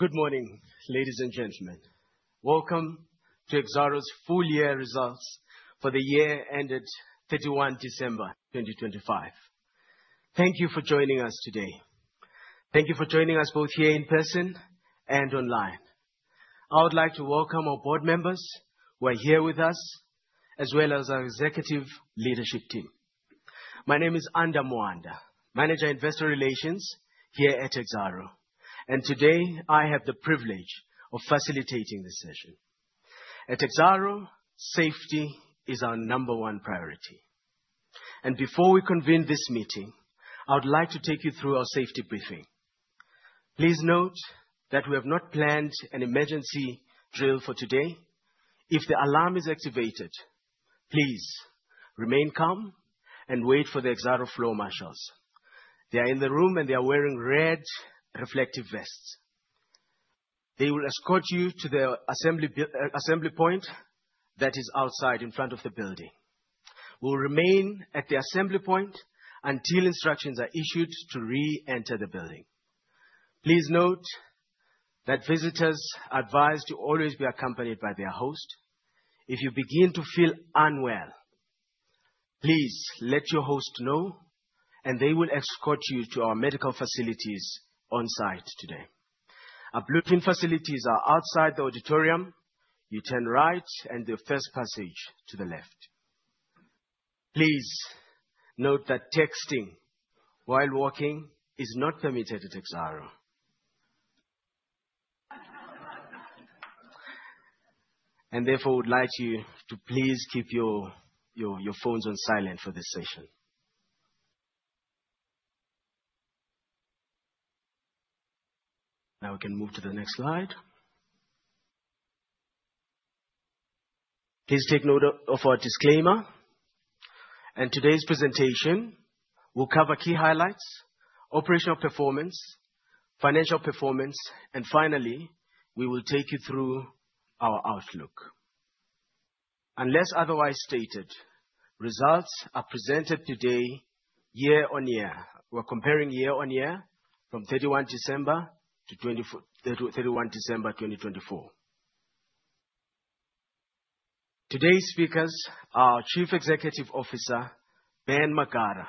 Good morning, ladies and gentlemen. Welcome to Exxaro's Full Year Results for the Year Ended 31 December 2025. Thank you for joining us today. Thank you for joining us both here in person and online. I would like to welcome our board members who are here with us, as well as our executive leadership team. My name is Anda Mwanda, Manager, Investor Relations here at Exxaro, and today, I have the privilege of facilitating this session. At Exxaro, safety is our number one priority. Before we convene this meeting, I would like to take you through our safety briefing. Please note that we have not planned an emergency drill for today. If the alarm is activated, please remain calm and wait for the Exxaro floor marshals. They are in the room, and they are wearing red reflective vests. They will escort you to the assembly point that is outside in front of the building. We'll remain at the assembly point until instructions are issued to re-enter the building. Please note that visitors are advised to always be accompanied by their host. If you begin to feel unwell, please let your host know, and they will escort you to our medical facilities on-site today. Our first-aid facilities are outside the auditorium. You turn right and the first passage to the left. Please note that texting while walking is not permitted at Exxaro. Therefore, we'd like you to please keep your phones on silent for this session. Now we can move to the next slide. Please take note of our disclaimer. Today's presentation will cover key highlights, operational performance, financial performance, and finally, we will take you through our outlook. Unless otherwise stated, results are presented today year-over-year. We're comparing year-over-year from 31 December to 31 December 2024. Today's speakers are our Chief Executive Officer, Ben Magara,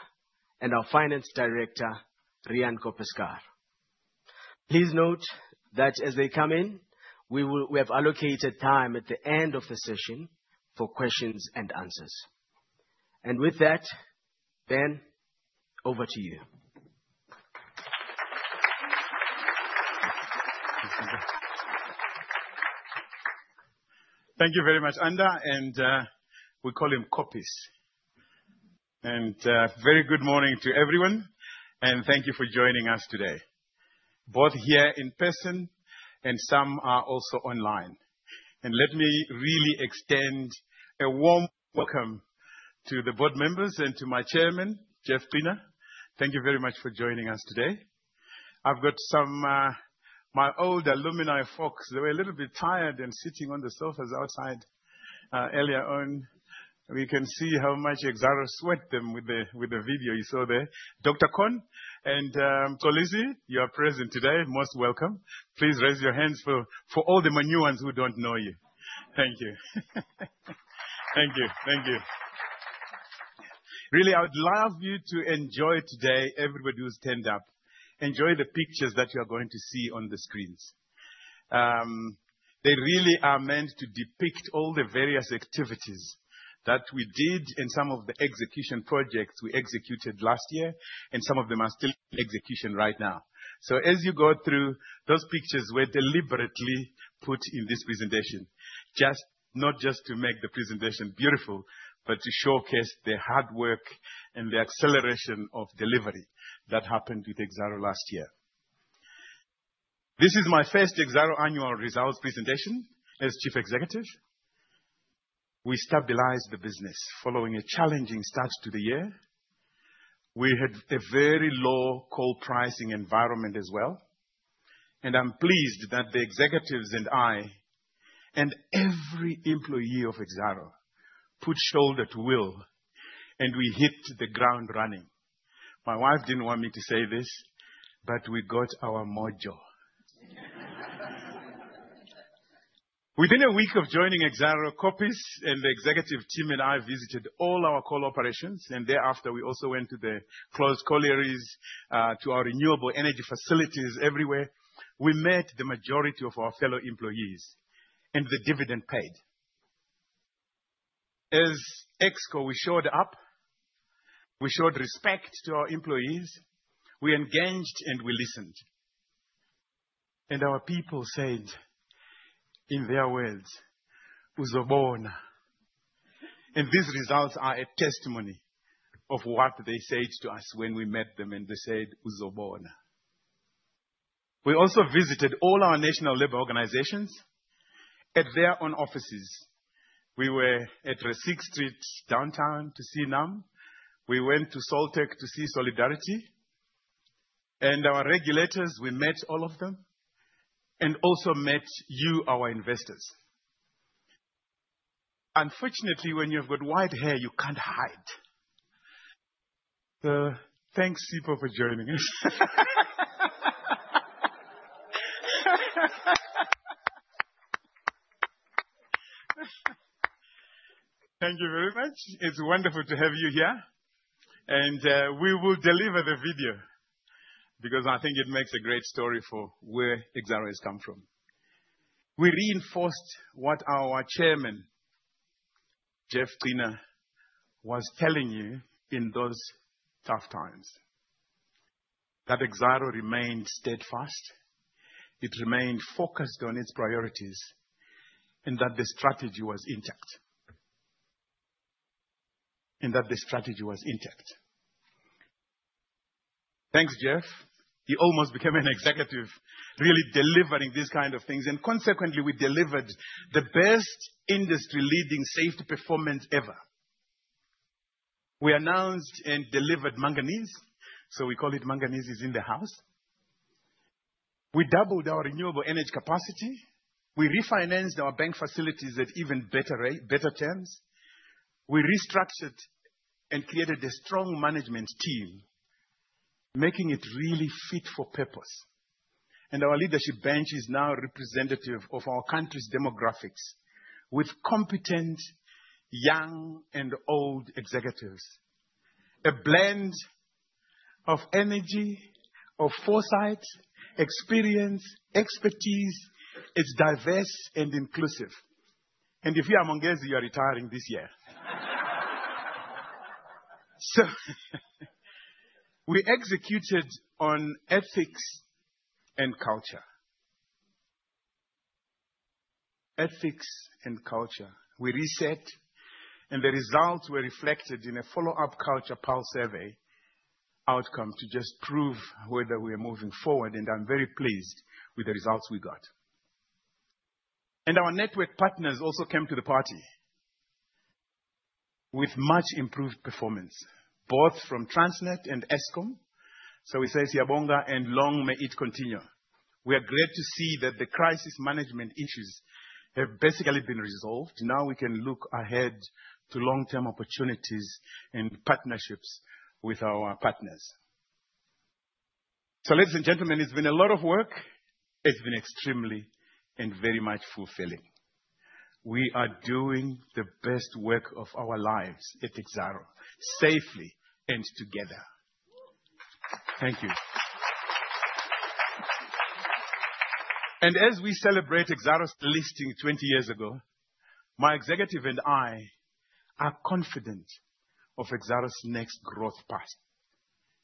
and our Finance Director, Riaan Koppeschaar. Please note that as they come in, we have allocated time at the end of the session for questions and answers. With that, Ben, over to you. Thank you very much, Anda. We call him Kopis. A very good morning to everyone. Thank you for joining us today, both here in person and some are also online. Let me really extend a warm welcome to the board members and to my Chairman, Geoff Qhena. Thank you very much for joining us today. I've got some, my old alumni folks. They were a little bit tired and sitting on the sofas outside, earlier on. We can see how much Exxaro sweat them with the video you saw there. Dr. Con and [Saleh], you are present today. Most welcome. Please raise your hands for all the new ones who don't know you. Thank you. Thank you. Thank you. Really, I would love you to enjoy today, everybody who stand up, enjoy the pictures that you are going to see on the screens. They really are meant to depict all the various activities that we did in some of the execution projects we executed last year, and some of them are still in execution right now. As you go through, those pictures were deliberately put in this presentation, not just to make the presentation beautiful, but to showcase the hard work and the acceleration of delivery that happened with Exxaro last year. This is my first Exxaro annual results presentation as chief executive. We stabilized the business following a challenging start to the year. We had a very low coal pricing environment as well. I'm pleased that the executives and I, and every employee of Exxaro, put shoulder to wheel, and we hit the ground running. My wife didn't want me to say this, but we got our mojo. Within a week of joining Exxaro, Riaan Koppeschaar and the executive team and I visited all our coal operations, and thereafter we also went to the closed collieries, to our renewable energy facilities everywhere. We met the majority of our fellow employees, and the dividend paid. As Exco, we showed up, we showed respect to our employees, we engaged, and we listened. Our people said, in their words, "Uzobona." These results are a testimony of what they said to us when we met them, and they said, "Uzobona." We also visited all our national labor organizations at their own offices. We were at Rissik Street, downtown, to see NUM. We went to Soltec to see Solidarity. Our regulators, we met all of them, and also met you, our investors. Unfortunately, when you've got white hair, you can't hide. Thanks, Sipho, for joining us. Thank you very much. It's wonderful to have you here. We will deliver the video because I think it makes a great story for where Exxaro has come from. We reinforced what our chairman, Geoff Qhena, was telling you in those tough times, that Exxaro remained steadfast, it remained focused on its priorities, and that the strategy was intact. Thanks, Geoff. You almost became an executive, really delivering these kind of things, and consequently, we delivered the best industry-leading safety performance ever. We announced and delivered manganese, so we call it manganese is in the house. We doubled our renewable energy capacity. We refinanced our bank facilities at even better rate, better terms. We restructured and created a strong management team, making it really fit for purpose. Our leadership bench is now representative of our country's demographics with competent young and old executives. A blend of energy, of foresight, experience, expertise. It's diverse and inclusive. If you are Mongezi, you are retiring this year. We executed on ethics and culture. Ethics and culture we reset, and the results were reflected in a follow-up culture pulse survey outcome to just prove whether we are moving forward, and I'm very pleased with the results we got. Our network partners also came to the party with much improved performance, both from Transnet and Eskom. We say, "Siyabonga," and long may it continue. We are glad to see that the crisis management issues have basically been resolved. Now we can look ahead to long-term opportunities and partnerships with our partners. Ladies and gentlemen, it's been a lot of work. It's been extremely and very much fulfilling. We are doing the best work of our lives at Exxaro, safely and together. Thank you. As we celebrate Exxaro's listing 20 years ago, my executive and I are confident of Exxaro's next growth path,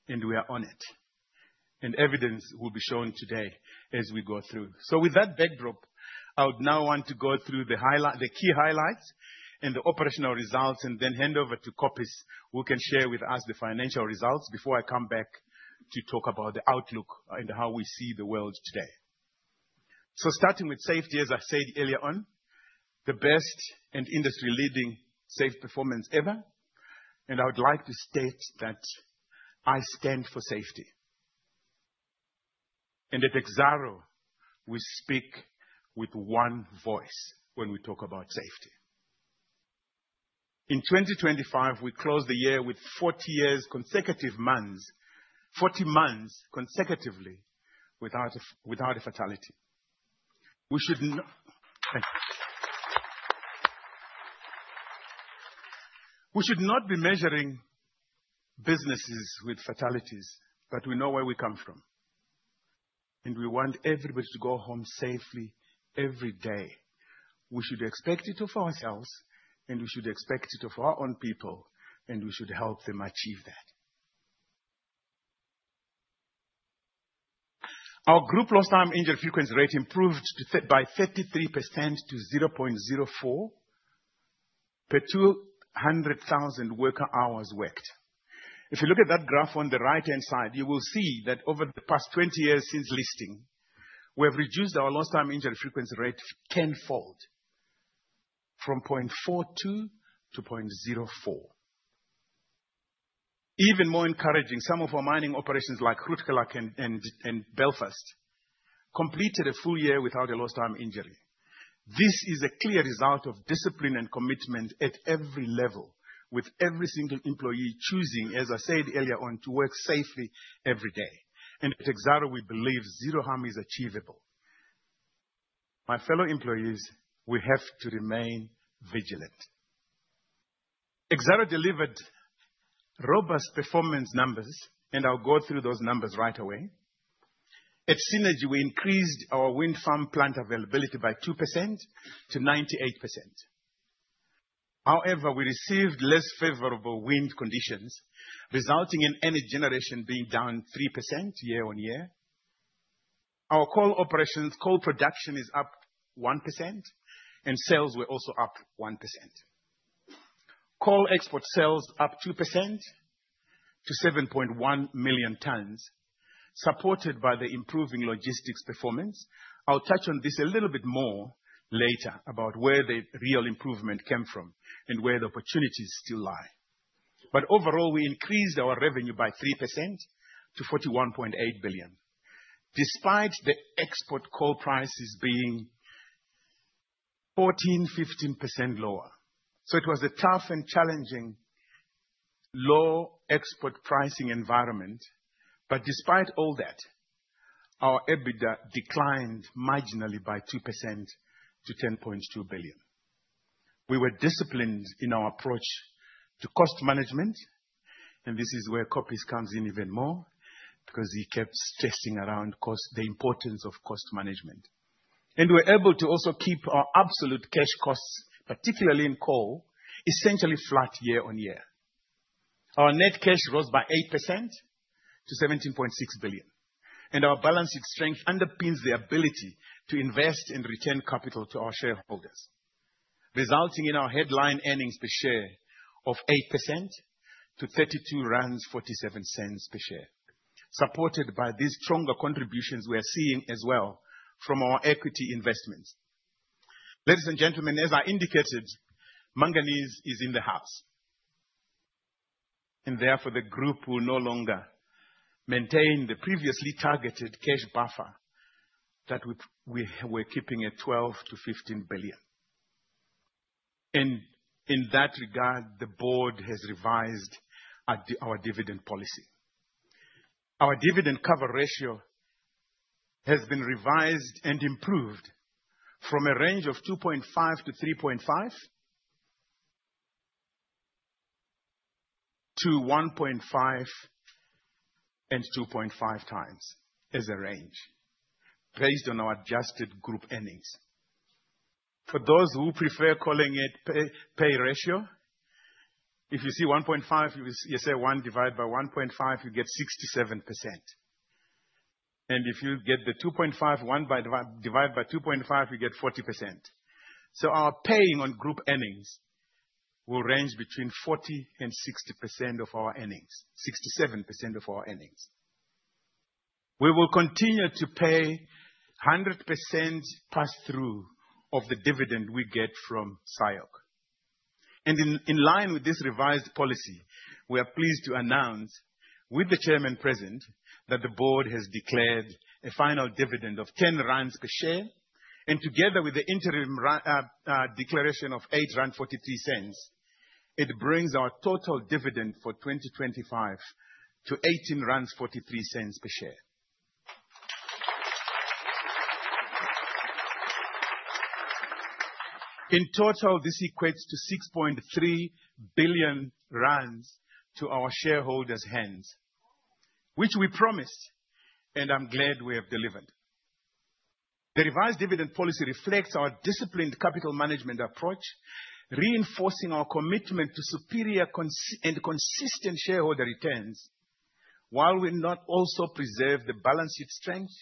and we are on it. Evidence will be shown today as we go through. With that backdrop, I would now want to go through the highlight, the key highlights and the operational results, and then hand over to Koppeschaar, who can share with us the financial results before I come back to talk about the outlook and how we see the world today. Starting with safety, as I said earlier on, the best and industry-leading safe performance ever, and I would like to state that I stand for safety. At Exxaro, we speak with one voice when we talk about safety. In 2025, we closed the year with 40 consecutive months, 40 months consecutively without a fatality. We should not be measuring businesses with fatalities, but we know where we come from, and we want everybody to go home safely every day. We should expect it of ourselves, and we should expect it of our own people, and we should help them achieve that. Our group lost time injury frequency rate improved by 33% to 0.04 per 200,000 worker hours worked. If you look at that graph on the right-hand side, you will see that over the past 20 years since listing, we have reduced our lost time injury frequency rate tenfold from 0.42 to 0.04. Even more encouraging, some of our mining operations like Grootegeluk and Belfast completed a full year without a lost time injury. This is a clear result of discipline and commitment at every level with every single employee choosing, as I said earlier on, to work safely every day. At Exxaro, we believe zero harm is achievable. My fellow employees, we have to remain vigilant. Exxaro delivered robust performance numbers, and I'll go through those numbers right away. At Cennergi, we increased our wind farm plant availability by 2% to 98%. However, we received less favorable wind conditions, resulting in energy generation being down 3% year-on-year. Our coal operations, coal production is up 1%, and sales were also up 1%. Coal export sales up 2% to 7.1 million tons, supported by the improving logistics performance. I'll touch on this a little bit more later about where the real improvement came from and where the opportunities still lie. Overall, we increased our revenue by 3% to 41.8 billion, despite the export coal prices being 14%-15% lower. It was a tough and challenging low export pricing environment. Despite all that, our EBITDA declined marginally by 2% to 10.2 billion. We were disciplined in our approach to cost management, and this is where Riaan Koppeschaar comes in even more because he kept stressing around cost, the importance of cost management. We're able to also keep our absolute cash costs, particularly in coal, essentially flat year-on-year. Our net cash rose by 8% to 17.6 billion. Our balance sheet strength underpins the ability to invest and return capital to our shareholders, resulting in our headline earnings per share of 8% to 32.47 rand per share, supported by these stronger contributions we are seeing as well from our equity investments. Ladies and gentlemen, as I indicated, manganese is in the house. Therefore, the group will no longer maintain the previously targeted cash buffer that we're keeping at 12 billion-15 billion. In that regard, the board has revised our dividend policy. Our dividend cover ratio has been revised and improved from a range of 2.5x-3.5x to 1.5x-2.5x as a range based on our adjusted group earnings. For those who prefer calling it payout ratio, if you see 1.5x, you say one divide by 1.5x, you get 67%. If you get the 2.5x, 1 divide by 2.5, you get 40%. Our payout on group earnings will range between 40% and 60% of our earnings, 67% of our earnings. We will continue to pay 100% pass-through of the dividend we get from SIOC. In line with this revised policy, we are pleased to announce with the chairman present that the board has declared a final dividend of 10 rand per share. Together with the interim declaration of 8.43 rand, it brings our total dividend for 2025 to 18.43 rand per share. In total, this equates to 6.3 billion rand to our shareholders' hands, which we promised, and I'm glad we have delivered. The revised dividend policy reflects our disciplined capital management approach, reinforcing our commitment to superior and consistent shareholder returns, while we also preserve the balance sheet strength,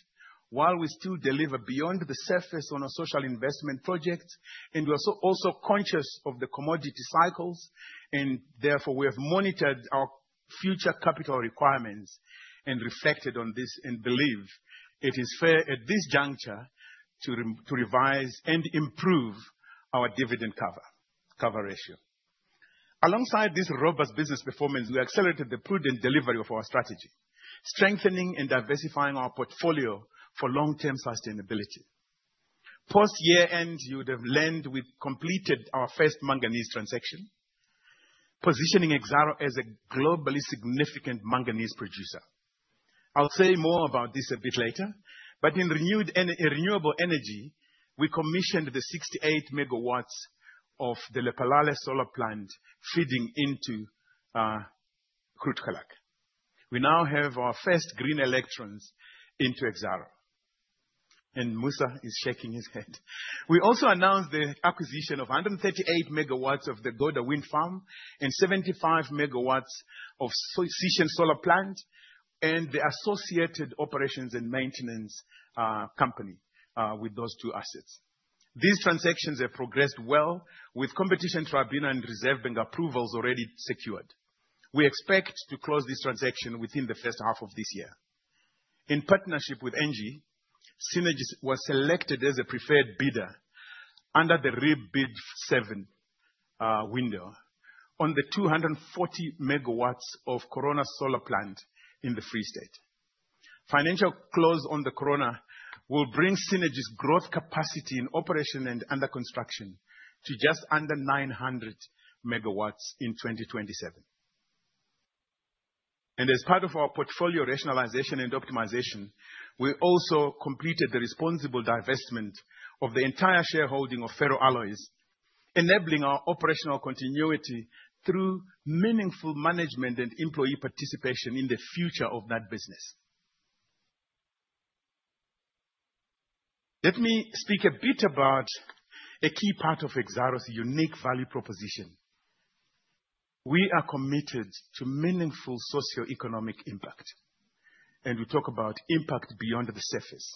while we still deliver below the surface on our social investment projects. We're also conscious of the commodity cycles and therefore we have monitored our future capital requirements and reflected on this, and believe it is fair at this juncture to revise and improve our dividend cover ratio. Alongside this robust business performance, we accelerated the prudent delivery of our strategy, strengthening and diversifying our portfolio for long-term sustainability. Post-year-end, you would have learned we've completed our first manganese transaction, positioning Exxaro as a globally significant manganese producer. I'll say more about this a bit later, but in renewable energy, we commissioned the 68 MW of the Lephalale solar plant feeding into Grootegeluk. We now have our first green electrons into Exxaro. Musa is shaking his head. We announced the acquisition of 138 MW of the Gouda Wind Farm and 75 MW of the Sishen solar plant and the associated operations and maintenance company with those two assets. These transactions have progressed well with Competition Tribunal and Reserve Bank approvals already secured. We expect to close this transaction within the first half of this year. In partnership with ENGIE, Cennergi was selected as a preferred bidder under the REIPPPP Bid Window 7 on the 240 MW of Corona Solar plant in the Free State. Financial close on the Corona will bring Cennergi's growth capacity in operation and under construction to just under 900 MW in 2027. As part of our portfolio rationalization and optimization, we also completed the responsible divestment of the entire shareholding of Exxaro FerroAlloys, enabling our operational continuity through meaningful management and employee participation in the future of that business. Let me speak a bit about a key part of Exxaro's unique value proposition. We are committed to meaningful socioeconomic impact, and we talk about impact beyond the surface.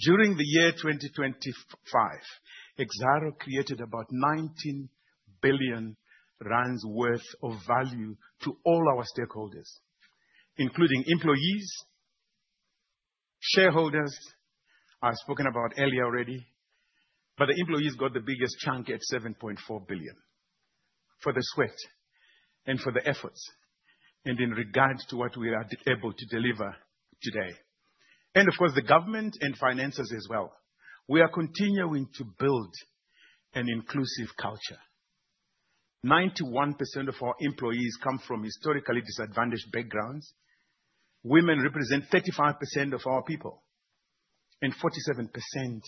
During the year 2025, Exxaro created about 19 billion rand worth of value to all our stakeholders, including employees, shareholders, I've spoken about earlier already, but the employees got the biggest chunk at 7.4 billion, for the sweat and for the efforts, and in regard to what we are able to deliver today. Of course, the government and financiers as well. We are continuing to build an inclusive culture. 91% of our employees come from historically disadvantaged backgrounds. Women represent 35% of our people, and 47%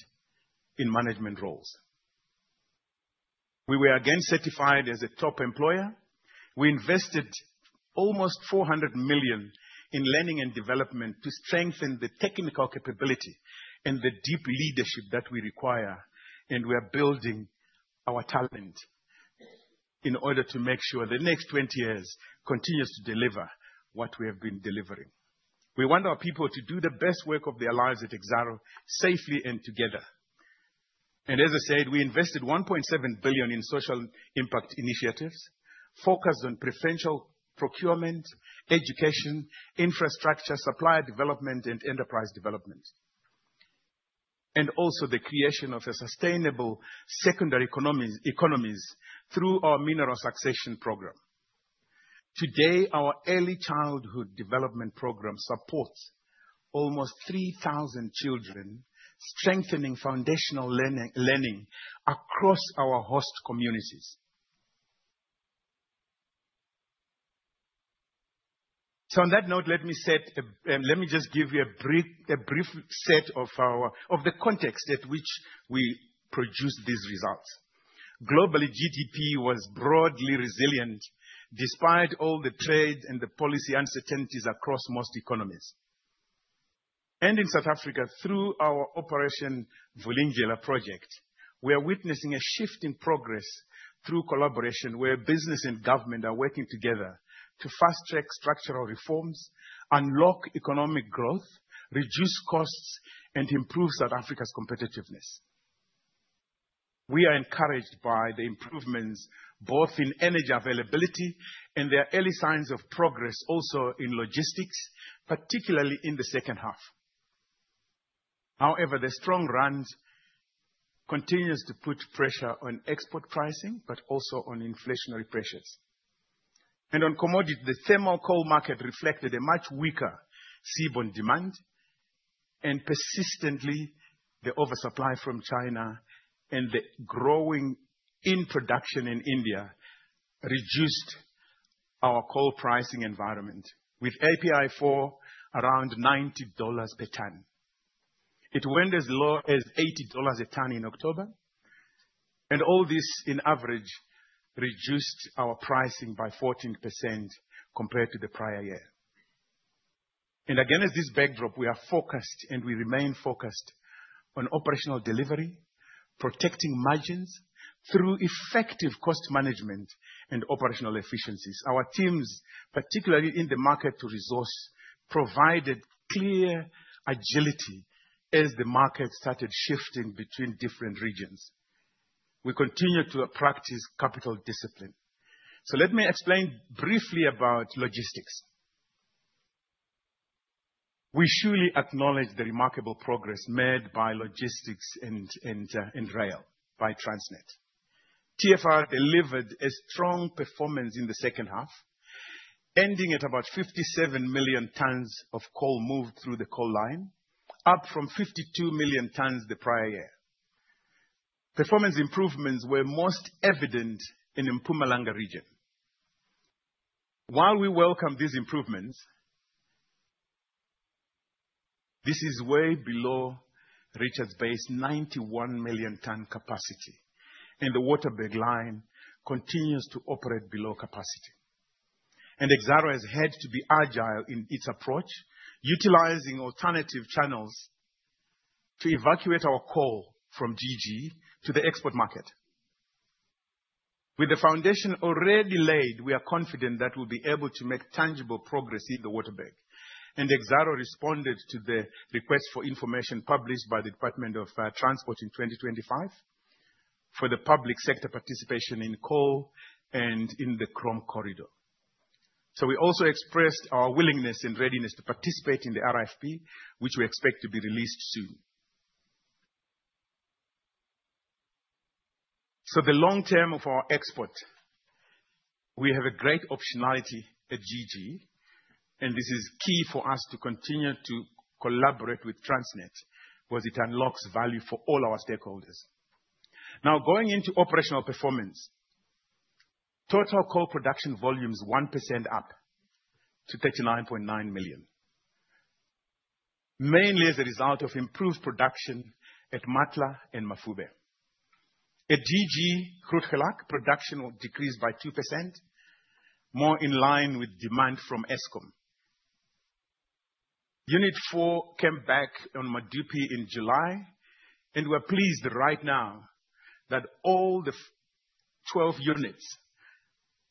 in management roles. We were again certified as a top employer. We invested almost 400 million in learning and development to strengthen the technical capability and the deep leadership that we require, and we are building our talent in order to make sure the next 20 years continues to deliver what we have been delivering. We want our people to do the best work of their lives at Exxaro safely and together. We invested 1.7 billion in social impact initiatives, focused on preferential procurement, education, infrastructure, supplier development, and enterprise development. The creation of a sustainable secondary economies through our mineral succession program. Today, our early childhood development program supports almost 3,000 children, strengthening foundational learning across our host communities. On that note, let me just give you a brief set of the context at which we produced these results. Globally, GDP was broadly resilient despite all the trade and the policy uncertainties across most economies. In South Africa, through our Operation Vulindlela project, we are witnessing a shift in progress through collaboration where business and government are working together to fast-track structural reforms, unlock economic growth, reduce costs, and improve South Africa's competitiveness. We are encouraged by the improvements both in energy availability, and there are early signs of progress also in logistics, particularly in the second half. However, the strong rand continues to put pressure on export pricing, but also on inflationary pressures. On commodities, the thermal coal market reflected a much weaker seaborne demand. Persistently, the oversupply from China and the growth in production in India reduced our coal pricing environment with API4 around $90 per ton. It went as low as $80 a ton in October. All this on average reduced our pricing by 14% compared to the prior year. Again, against this backdrop, we are focused and we remain focused on operational delivery, protecting margins through effective cost management and operational efficiencies. Our teams, particularly in the market to resource, provided clear agility as the market started shifting between different regions. We continue to practice capital discipline. Let me explain briefly about logistics. We surely acknowledge the remarkable progress made by logistics and rail by Transnet. TFR delivered a strong performance in the second half, ending at about 57 million tons of coal moved through the coal line, up from 52 million tons the prior year. Performance improvements were most evident in Mpumalanga region. While we welcome these improvements, this is way below Richards Bay's 91 million ton capacity, and the Waterberg line continues to operate below capacity. Exxaro has had to be agile in its approach, utilizing alternative channels to evacuate our coal from GG to the export market. With the foundation already laid, we are confident that we'll be able to make tangible progress in the Waterberg. Exxaro responded to the request for information published by the Department of Transport in 2025 for the private sector participation in coal and in the Chrome Corridor. We also expressed our willingness and readiness to participate in the RFP, which we expect to be released soon. The long term of our export, we have a great optionality at GG, and this is key for us to continue to collaborate with Transnet, because it unlocks value for all our stakeholders. Now, going into operational performance. Total coal production volumes, 1% up to 39.9 million. Mainly as a result of improved production at Matla and Mafube. At GG Grootegeluk, production will decrease by 2%, more in line with demand from Eskom. Unit four came back on Medupi in July, and we're pleased right now that all the 12 units,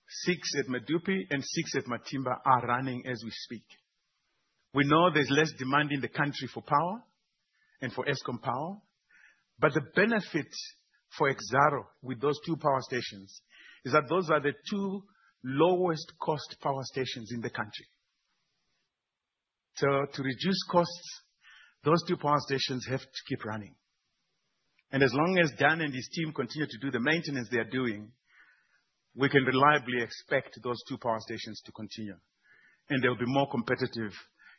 six at Medupi and six at Matimba, are running as we speak. We know there's less demand in the country for power. For Eskom power. The benefit for Exxaro with those two power stations is that those are the two lowest cost power stations in the country. To reduce costs, those two power stations have to keep running. As long as Dan and his team continue to do the maintenance they are doing, we can reliably expect those two power stations to continue, and they'll be more competitive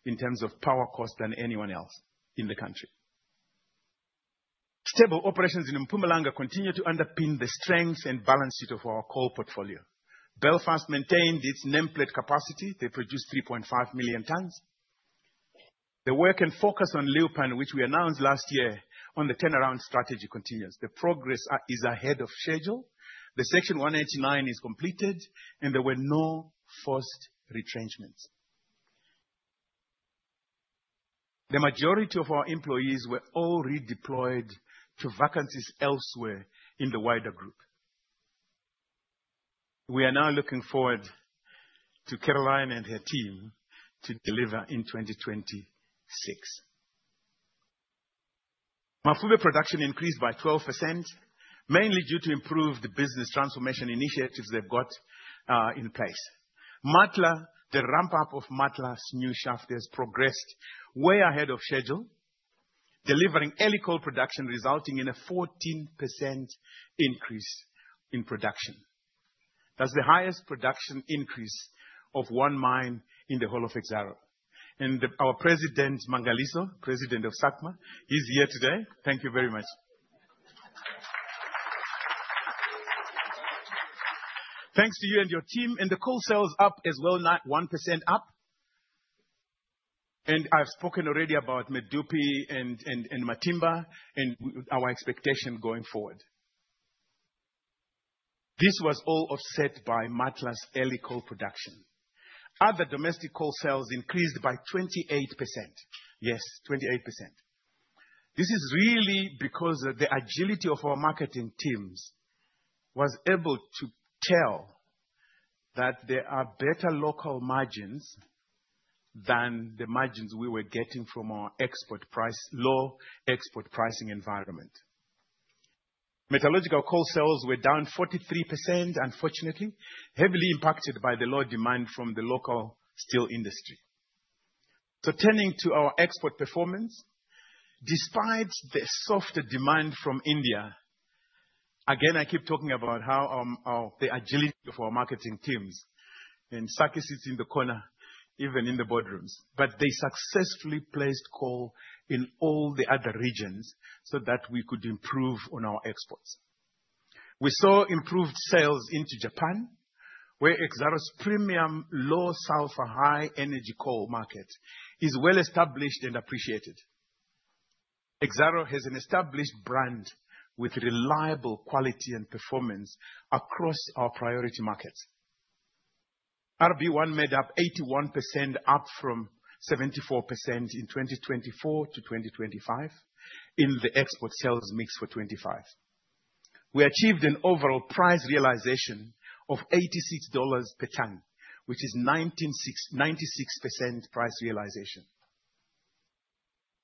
in terms of power costs than anyone else in the country. Stable operations in Mpumalanga continue to underpin the strength and balance sheet of our core portfolio. Belfast maintained its nameplate capacity. They produced 3.5 million tons. The work and focus on Leeuwpan, which we announced last year on the turnaround strategy, continues. The progress is ahead of schedule. The Section 189 is completed, and there were no forced retrenchments. The majority of our employees were all redeployed to vacancies elsewhere in the wider group. We are now looking forward to Caroline and her team to deliver in 2026. Mafube production increased by 12%, mainly due to improved business transformation initiatives they've got in place. Matla, the ramp-up of Matla's new shaft has progressed way ahead of schedule, delivering early coal production, resulting in a 14% increase in production. That's the highest production increase of one mine in the whole of Exxaro. Our president, Mangaliso, president of SACMA, he's here today. Thank you very much. Thanks to you and your team. The coal sales up as well, 1% up. I've spoken already about Medupi and Matimba, and our expectation going forward. This was all offset by Matla's early coal production. Other domestic coal sales increased by 28%. Yes, 28%. This is really because the agility of our marketing teams was able to tell that there are better local margins than the margins we were getting from our export price, low export pricing environment. Metallurgical coal sales were down 43%, unfortunately, heavily impacted by the low demand from the local steel industry. Turning to our export performance, despite the softer demand from India, again, I keep talking about how our the agility of our marketing teams, and Saki sits in the corner, even in the boardrooms. They successfully placed coal in all the other regions so that we could improve on our exports. We saw improved sales into Japan, where Exxaro's premium low sulfur, high energy coal market is well established and appreciated. Exxaro has an established brand with reliable quality and performance across our priority markets. RB1 made up 81%, up from 74% in 2024 to 2025 in the export sales mix for 2025. We achieved an overall price realization of $86 per ton, which is 96% price realization.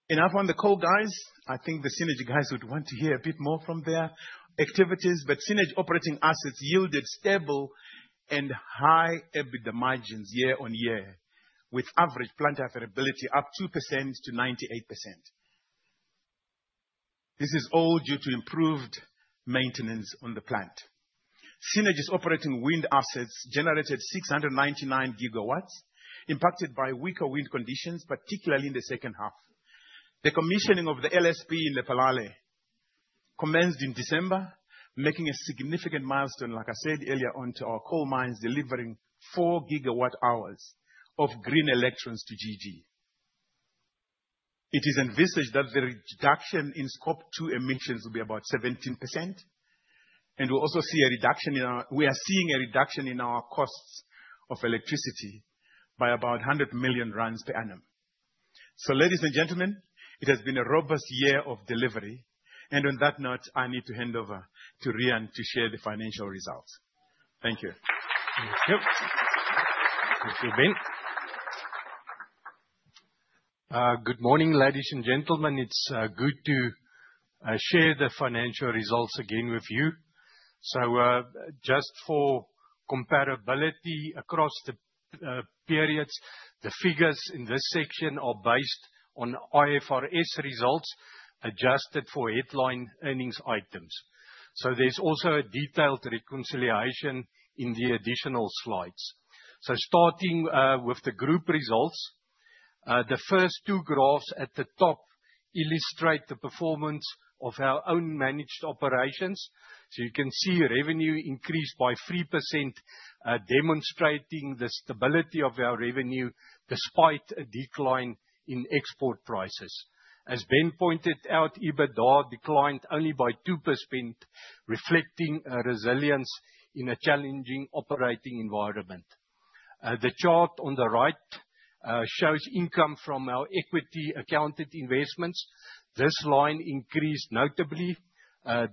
Enough on the coal, guys. I think the Cennergi guys would want to hear a bit more from their activities. Cennergi operating assets yielded stable and high EBITDA margins year-on-year, with average plant availability up 2% to 98%. This is all due to improved maintenance on the plant. Cennergi's operating wind assets generated 699 GW impacted by weaker wind conditions, particularly in the second half. The commissioning of the LSP in Lephalale commenced in December, marking a significant milestone, like I said earlier, onto our coal mines, delivering 4 GWh of green electrons to GG. It is envisaged that the reduction in Scope 2 emissions will be about 17%, and we'll also see a reduction in our costs of electricity by about 100 million rand per annum. Ladies and gentlemen, it has been a robust year of delivery. On that note, I need to hand over to Riaan to share the financial results. Thank you. Thank you. Thank you, Ben. Good morning, ladies and gentlemen. It's good to share the financial results again with you. Just for comparability across the periods, the figures in this section are based on IFRS results, adjusted for headline earnings items. There's also a detailed reconciliation in the additional slides. Starting with the group results, the first two graphs at the top illustrate the performance of our own managed operations. You can see revenue increased by 3%, demonstrating the stability of our revenue despite a decline in export prices. As Ben pointed out, EBITDA declined only by 2%, reflecting a resilience in a challenging operating environment. The chart on the right shows income from our equity accounted investments. This line increased notably,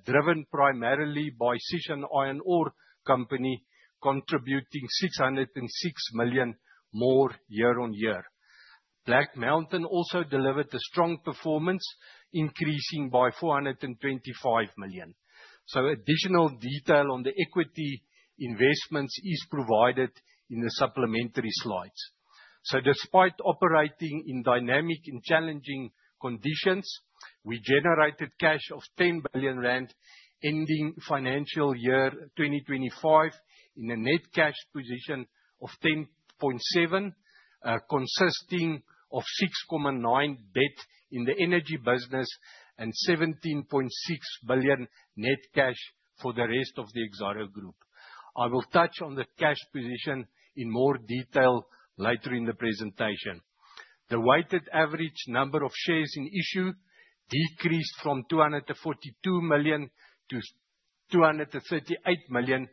driven primarily by Sishen Iron Ore Company contributing 606 million more year-on-year. Black Mountain also delivered a strong performance, increasing by 425 million. Additional detail on the equity investments is provided in the supplementary slides. Despite operating in dynamic and challenging conditions, we generated cash of 10 billion rand ending financial year 2025, in a net cash position of 10.7 billion, consisting of 6.9 billion debt in the energy business and 17.6 billion net cash for the rest of the Exxaro Group. I will touch on the cash position in more detail later in the presentation. The weighted average number of shares in issue decreased from 242 million to 238 million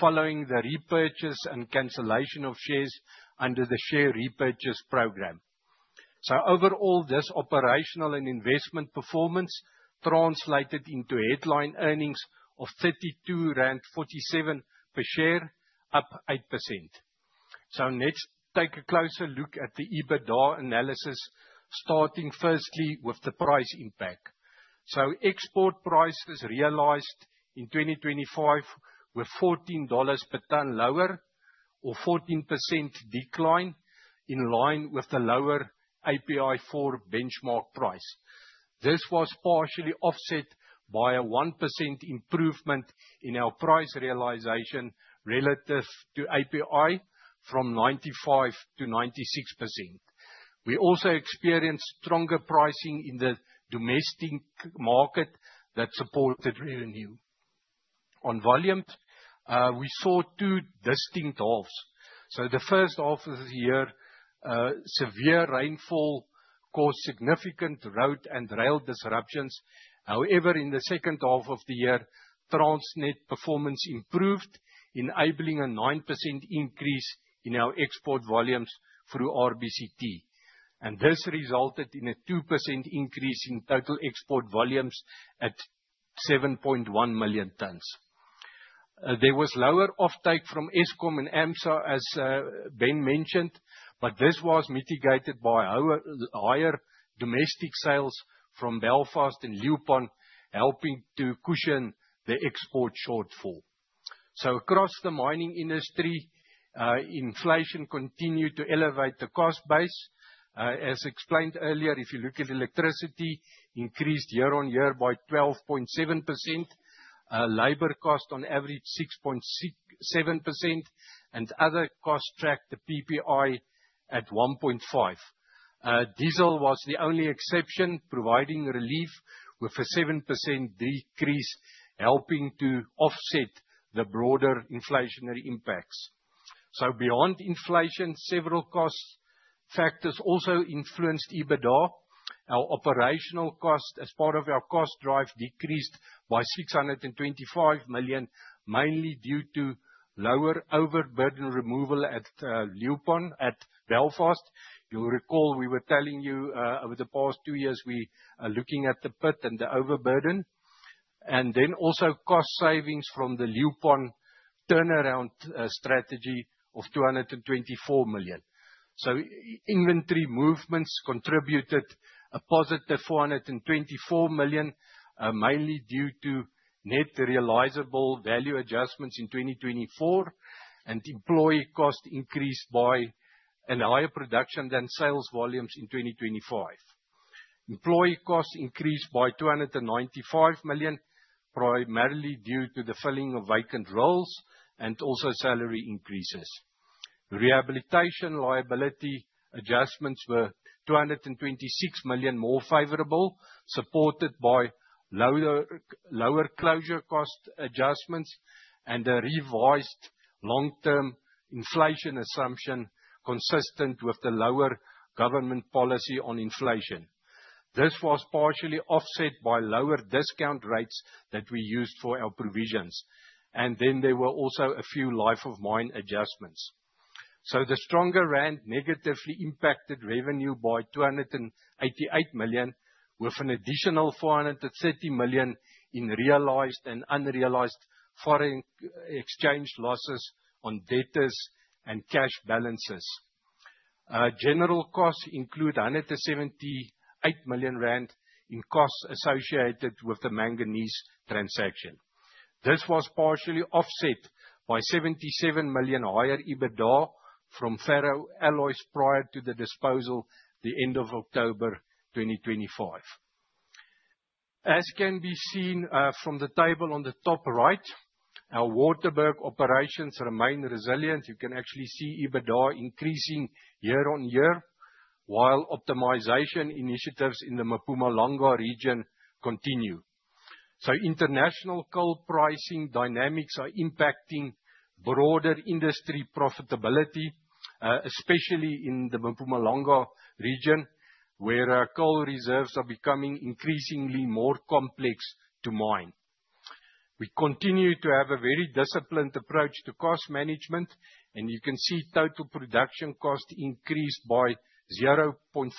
following the repurchase and cancellation of shares under the share repurchase program. Overall, this operational and investment performance translated into headline earnings of 32.47 rand per share, up 8%. Let's take a closer look at the EBITDA analysis, starting firstly with the price impact. Export prices realized in 2025 were $14 per ton lower or 14% decline in line with the lower API4 benchmark price. This was partially offset by a 1% improvement in our price realization relative to API from 95% to 96%. We also experienced stronger pricing in the domestic market that supported revenue. On volumes, we saw two distinct halves. The first half of the year, severe rainfall caused significant road and rail disruptions. However, in the second half of the year, Transnet performance improved, enabling a 9% increase in our export volumes through RBCT, and this resulted in a 2% increase in total export volumes at 7.1 million tons. There was lower offtake from Eskom and AMSA, as Ben mentioned, but this was mitigated by higher domestic sales from Belfast and Leeuwpan helping to cushion the export shortfall. Across the mining industry, inflation continued to elevate the cost base. As explained earlier, if you look at electricity increased year-on-year by 12.7%, labor cost on average 7% and other cost tracked the PPI at 1.5%. Diesel was the only exception, providing relief with a 7% decrease, helping to offset the broader inflationary impacts. Beyond inflation, several cost factors also influenced EBITDA. Our operational cost as part of our cost drive decreased by 625 million, mainly due to lower overburden removal at Leeuwpan at Belfast. You'll recall we were telling you over the past two years, we are looking at the pit and the overburden, and then also cost savings from the Leeuwpan turnaround strategy of 224 million. Inventory movements contributed a positive 424 million, mainly due to net realizable value adjustments in 2024, and employee cost increased due to higher production than sales volumes in 2025. Employee costs increased by 295 million, primarily due to the filling of vacant roles and also salary increases. Rehabilitation liability adjustments were 226 million more favorable, supported by lower closure cost adjustments and a revised long-term inflation assumption consistent with the lower government policy on inflation. This was partially offset by lower discount rates that we used for our provisions. There were also a few life of mine adjustments. The stronger rand negatively impacted revenue by 288 million, with an additional 430 million in realized and unrealized foreign exchange losses on debtors and cash balances. General costs include 178 million rand in costs associated with the manganese transaction. This was partially offset by 77 million higher EBITDA from FerroAlloys prior to the disposal at the end of October 2025. As can be seen from the table on the top right, our Waterberg operations remain resilient. You can actually see EBITDA increasing year-on-year, while optimization initiatives in the Mpumalanga region continue. International coal pricing dynamics are impacting broader industry profitability, especially in the Mpumalanga region, where coal reserves are becoming increasingly more complex to mine. We continue to have a very disciplined approach to cost management, and you can see total production cost increased by 0.4%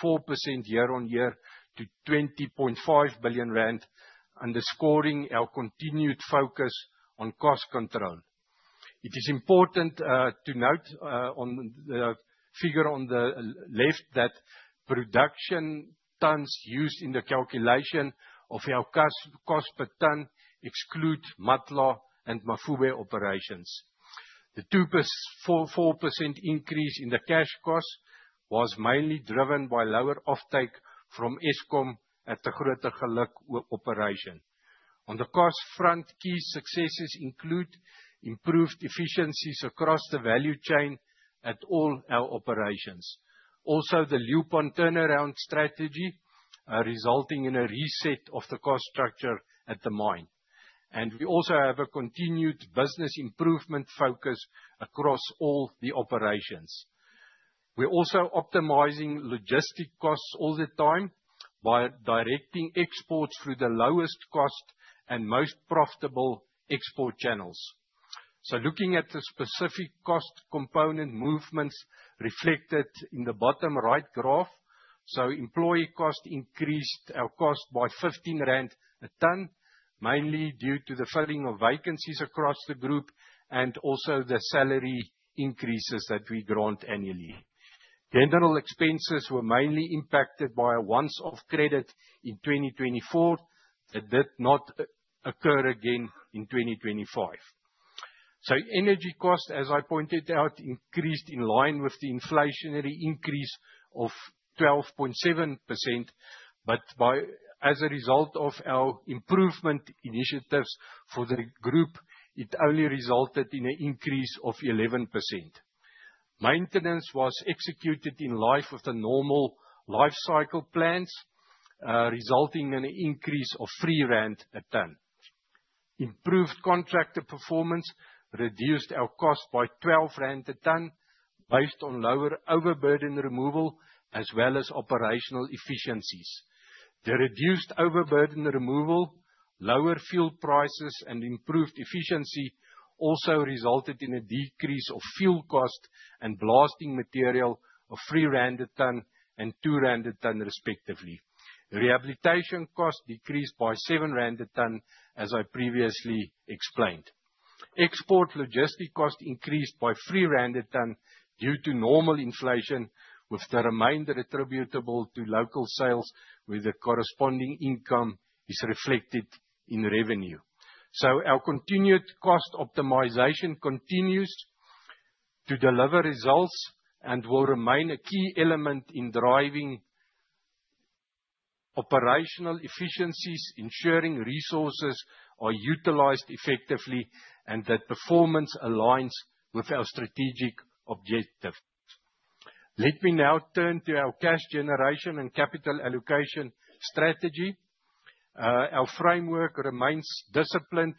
year-on-year to 20.5 billion rand, underscoring our continued focus on cost control. It is important to note on the figure on the left that production tons used in the calculation of our cost per ton excludes Matla and Mafube operations. The 4% increase in the cash costs was mainly driven by lower offtake from Eskom at the Grootegeluk operation. On the cost front, key successes include improved efficiencies across the value chain at all our operations. Also, the Leeuwpan turnaround strategy, resulting in a reset of the cost structure at the mine. We also have a continued business improvement focus across all the operations. We're also optimizing logistics costs all the time by directing exports through the lowest cost and most profitable export channels. Looking at the specific cost component movements reflected in the bottom right graph. Employee cost increased our cost by 15 rand a ton, mainly due to the filling of vacancies across the group and also the salary increases that we grant annually. General expenses were mainly impacted by a once-off credit in 2024 that did not occur again in 2025. Energy cost, as I pointed out, increased in line with the inflationary increase of 12.7%. As a result of our improvement initiatives for the group, it only resulted in an increase of 11%. Maintenance was executed in line with the normal life cycle plans, resulting in an increase of ZAR 3 a ton. Improved contractor performance reduced our cost by 12 rand a ton based on lower overburden removal as well as operational efficiencies. The reduced overburden removal, lower fuel prices, and improved efficiency also resulted in a decrease of fuel cost and blasting material of 3 rand a ton and 2 rand a ton respectively. Rehabilitation costs decreased by 7 rand a ton as I previously explained. Export logistic costs increased by 3 rand a ton due to normal inflation with the remainder attributable to local sales where the corresponding income is reflected in revenue. Our continued cost optimization continues to deliver results and will remain a key element in driving operational efficiencies, ensuring resources are utilized effectively and that performance aligns with our strategic objectives. Let me now turn to our cash generation and capital allocation strategy. Our framework remains disciplined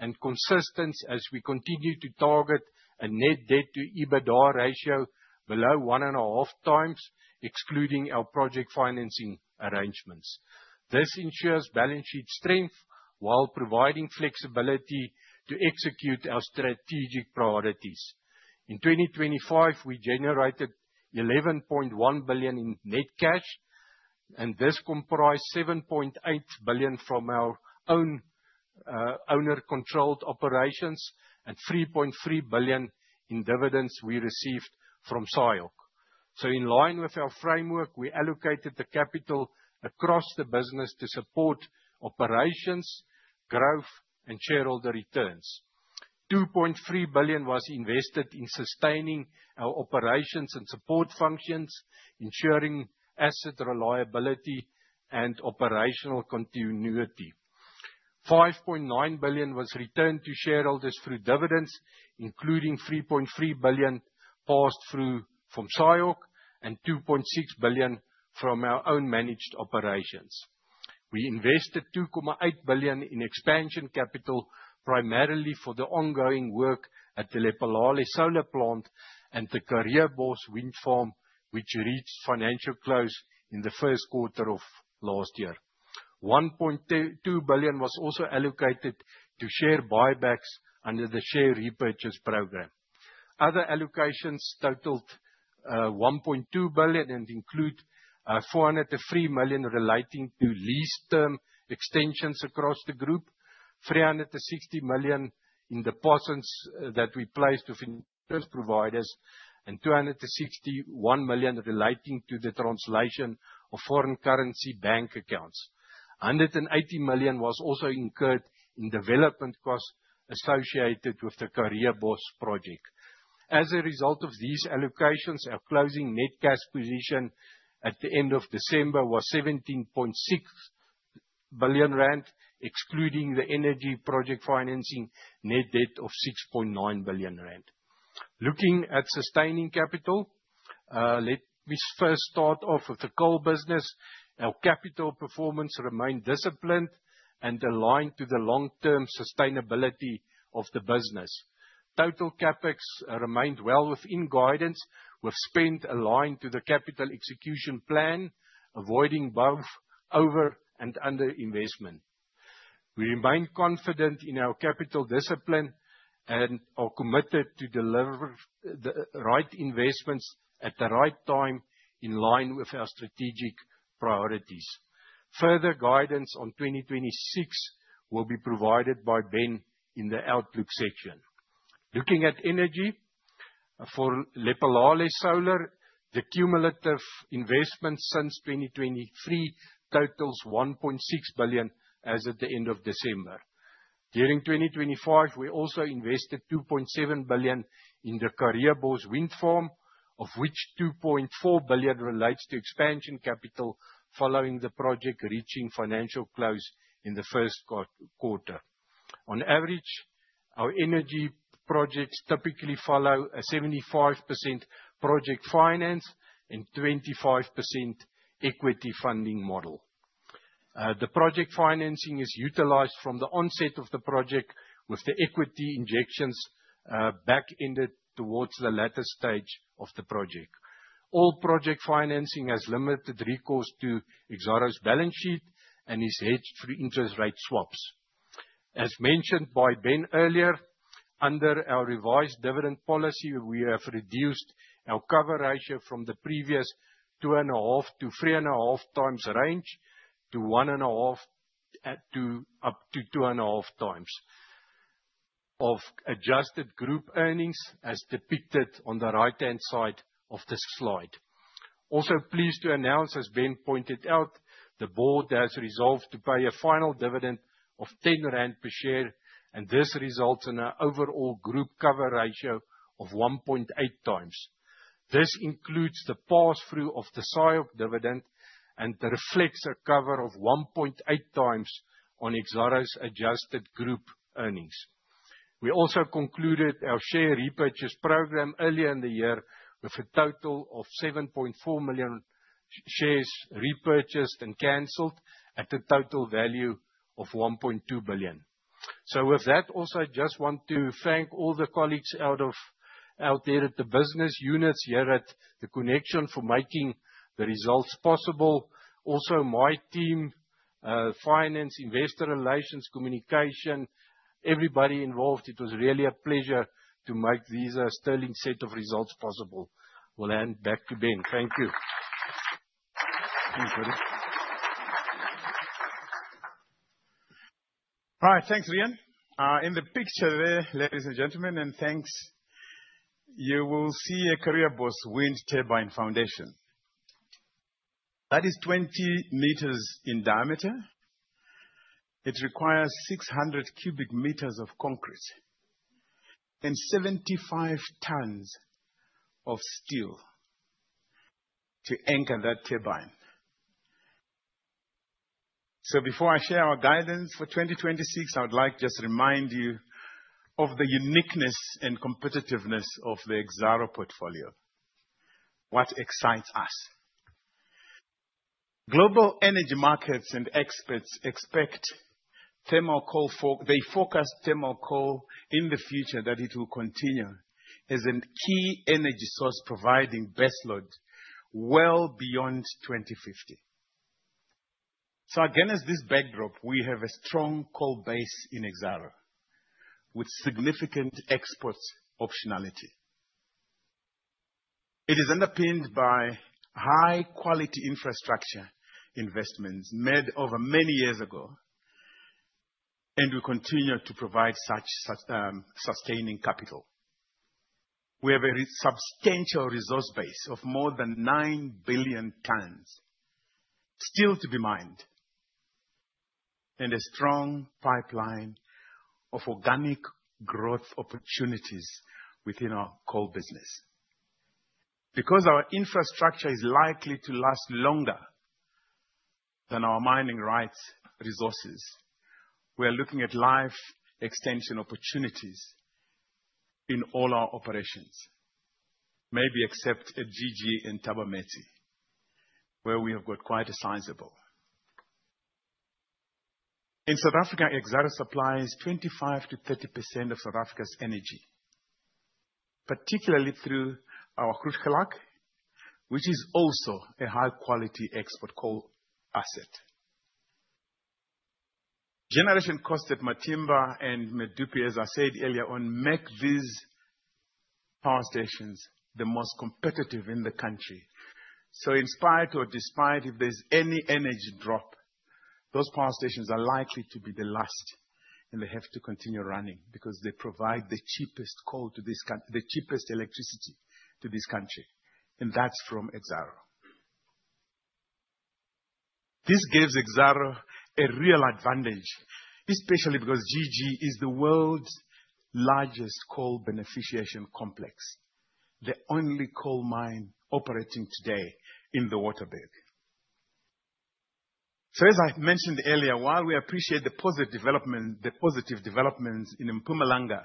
and consistent as we continue to target a net debt to EBITDA ratio below 1.5x excluding our project financing arrangements. This ensures balance sheet strength while providing flexibility to execute our strategic priorities. In 2025, we generated 11.1 billion in net cash, and this comprised 7.8 billion from our own, owner-controlled operations and 3.3 billion in dividends we received from SIOC. In line with our framework, we allocated the capital across the business to support operations, growth, and shareholder returns. 2.3 billion was invested in sustaining our operations and support functions, ensuring asset reliability and operational continuity. 5.9 billion was returned to shareholders through dividends, including 3.3 billion passed through from SIOC and 2.6 billion from our own managed operations. We invested 2.8 billion in expansion capital primarily for the ongoing work at the Lephalale Solar Project and the Karreebosch wind farm, which reached financial close in the first quarter of last year. 1.22 billion was also allocated to share buybacks under the share repurchase program. Other allocations totaled 1.2 billion and include 403 million relating to lease term extensions across the group, 360 million in deposits that we placed with insurance providers, and 261 million relating to the translation of foreign currency bank accounts. 180 million was also incurred in development costs associated with the Karreebosch project. As a result of these allocations, our closing net cash position at the end of December was 17.6 billion rand, excluding the energy project financing net debt of 6.9 billion rand. Looking at sustaining capital, let me first start off with the coal business. Our capital performance remained disciplined and aligned to the long-term sustainability of the business. Total CapEx remained well within guidance, with spend aligned to the capital execution plan, avoiding both over and underinvestment. We remain confident in our capital discipline and are committed to deliver the right investments at the right time in line with our strategic priorities. Further guidance on 2026 will be provided by Ben in the outlook section. Looking at energy, for Lephalale Solar, the cumulative investments since 2023 totals 1.6 billion as at the end of December. During 2025, we also invested 2.7 billion in the Karreebosch Wind Farm, of which 2.4 billion relates to expansion capital following the project reaching financial close in the first quarter. On average, our energy projects typically follow a 75% project finance and 25% equity funding model. The project financing is utilized from the onset of the project with the equity injections, back-ended towards the latter stage of the project. All project financing has limited recourse to Exxaro's balance sheet and is hedged through interest rate swaps. As mentioned by Ben earlier, under our revised dividend policy, we have reduced our cover ratio from the previous 2.5x-3.5x range to 1.5x to up to 2.5x of adjusted group earnings as depicted on the right-hand side of this slide. Also pleased to announce, as Ben pointed out, the board has resolved to pay a final dividend of 10 rand per share, and this results in an overall group cover ratio of 1.8x. This includes the pass-through of the SIOC dividend and reflects a cover of 1.8x on Exxaro's adjusted group earnings. We also concluded our share repurchase program earlier in the year with a total of 7.4 million shares repurchased and canceled at a total value of 1.2 billion. With that, also, I just want to thank all the colleagues out there at the business units here at the connection for making the results possible. Also my team, finance, investor relations, communication, everybody involved. It was really a pleasure to make these a sterling set of results possible. Will hand back to Ben. Thank you. All right. Thanks, Riaan. In the picture there, ladies and gentlemen, and thanks, you will see a Karreebosch wind turbine foundation. That is 20 meters in diameter. It requires 600 cubic meters of concrete and 75 tons of steel to anchor that turbine. Before I share our guidance for 2026, I would like just to remind you of the uniqueness and competitiveness of the Exxaro portfolio, what excites us. Global energy markets and experts expect thermal coal. They forecast thermal coal in the future that it will continue as a key energy source providing baseload well beyond 2050. Against this backdrop, we have a strong coal base in Exxaro with significant export optionality. It is underpinned by high quality infrastructure investments made over many years ago, and we continue to provide sustaining capital. We have a substantial resource base of more than 9 billion tons still to be mined and a strong pipeline of organic growth opportunities within our coal business. Our infrastructure is likely to last longer than our mining rights resources. We are looking at life extension opportunities in all our operations, maybe except at GG and Thabametsi, where we have got quite a sizable. In South Africa, Exxaro supplies 25%-30% of South Africa's energy, particularly through our Grootegeluk, which is also a high quality export coal asset. Generation costs at Matimba and Medupi, as I said earlier on, make these power stations the most competitive in the country. In spite or despite if there's any energy drop, those power stations are likely to be the last, and they have to continue running because they provide the cheapest coal to the cheapest electricity to this country, and that's from Exxaro. This gives Exxaro a real advantage, especially because Grootegeluk is the world's largest coal beneficiation complex, the only coal mine operating today in the Waterberg. As I've mentioned earlier, while we appreciate the positive developments in Mpumalanga,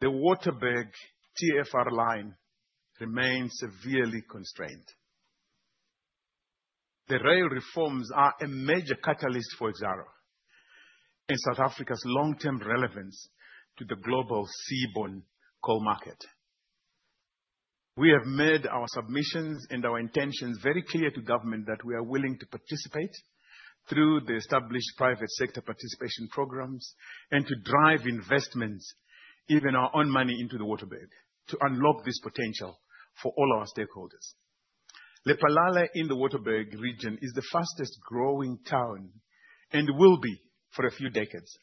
the Waterberg TFR line remains severely constrained. The rail reforms are a major catalyst for Exxaro and South Africa's long-term relevance to the global seaborne coal market. We have made our submissions and our intentions very clear to government that we are willing to participate through the established private sector participation programs and to drive investments, even our own money into the Waterberg, to unlock this potential for all our stakeholders. Lephalale in the Waterberg region is the fastest growing town and will be for a few decades.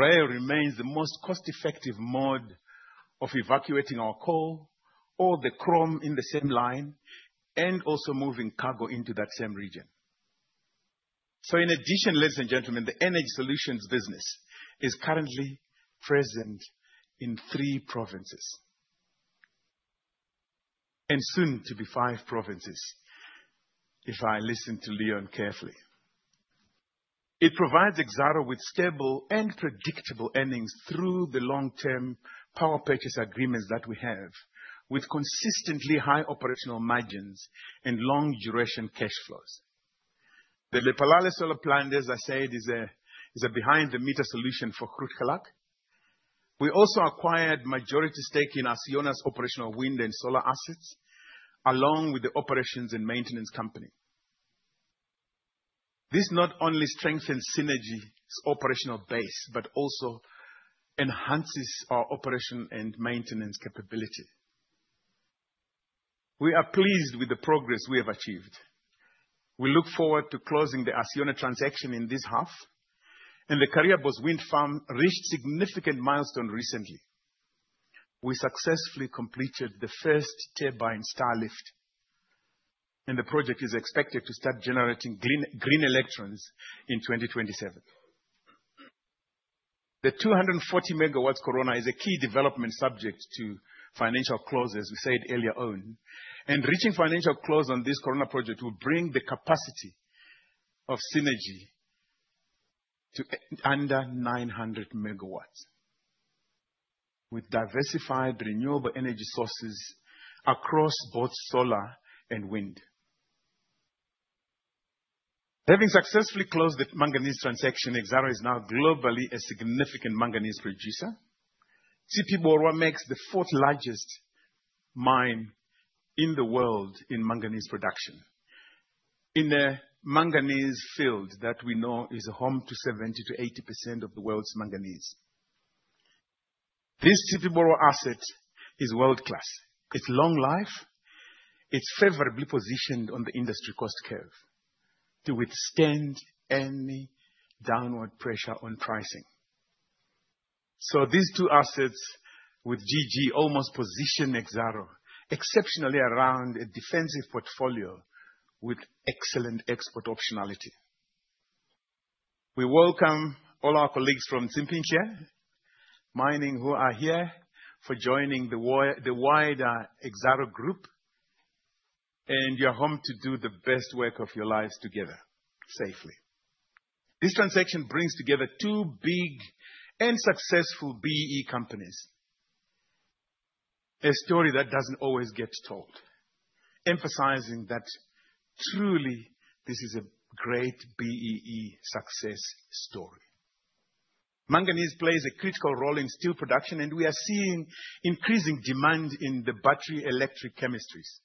Rail remains the most cost-effective mode of evacuating our coal or the chrome in the same line, and also moving cargo into that same region. In addition, ladies and gentlemen, the energy solutions business is currently present in three provinces, and soon to be five provinces, if I listen to Leon carefully. It provides Exxaro with stable and predictable earnings through the long-term power purchase agreements that we have, with consistently high operational margins and long duration cash flows. The Lephalale solar plant, as I said, is a behind-the-meter solution for Grootegeluk. We also acquired majority stake in Acciona's operational wind and solar assets, along with the operations and maintenance company. This not only strengthens Cennergi's operational base, but also enhances our operation and maintenance capability. We are pleased with the progress we have achieved. We look forward to closing the Acciona transaction in this half. The Karreebosch Wind Farm reached significant milestone recently. We successfully completed the first turbine steel lift, and the project is expected to start generating green electrons in 2027. The 240 MW Corona is a key development subject to financial close, as we said earlier on. Reaching financial close on this Corona project will bring the capacity of Cennergi to under 900 MW, with diversified renewable energy sources across both solar and wind. Having successfully closed the manganese transaction, Exxaro is now globally a significant manganese producer. Tshipi Borwa makes the fourth largest mine in the world in manganese production. In the manganese field that we know is home to 70%-80% of the world's manganese. This Tshipi Borwa asset is world-class. It's long life. It's favorably positioned on the industry cost curve to withstand any downward pressure on pricing. These two assets with GG almost position Exxaro exceptionally around a defensive portfolio with excellent export optionality. We welcome all our colleagues from [Tshipi é Ntle] Mining who are here for joining the wider Exxaro group, and you're home to do the best work of your lives together safely. This transaction brings together two big and successful BEE companies. A story that doesn't always get told, emphasizing that truly this is a great BEE success story. Manganese plays a critical role in steel production, and we are seeing increasing demand in the battery electric chemistries.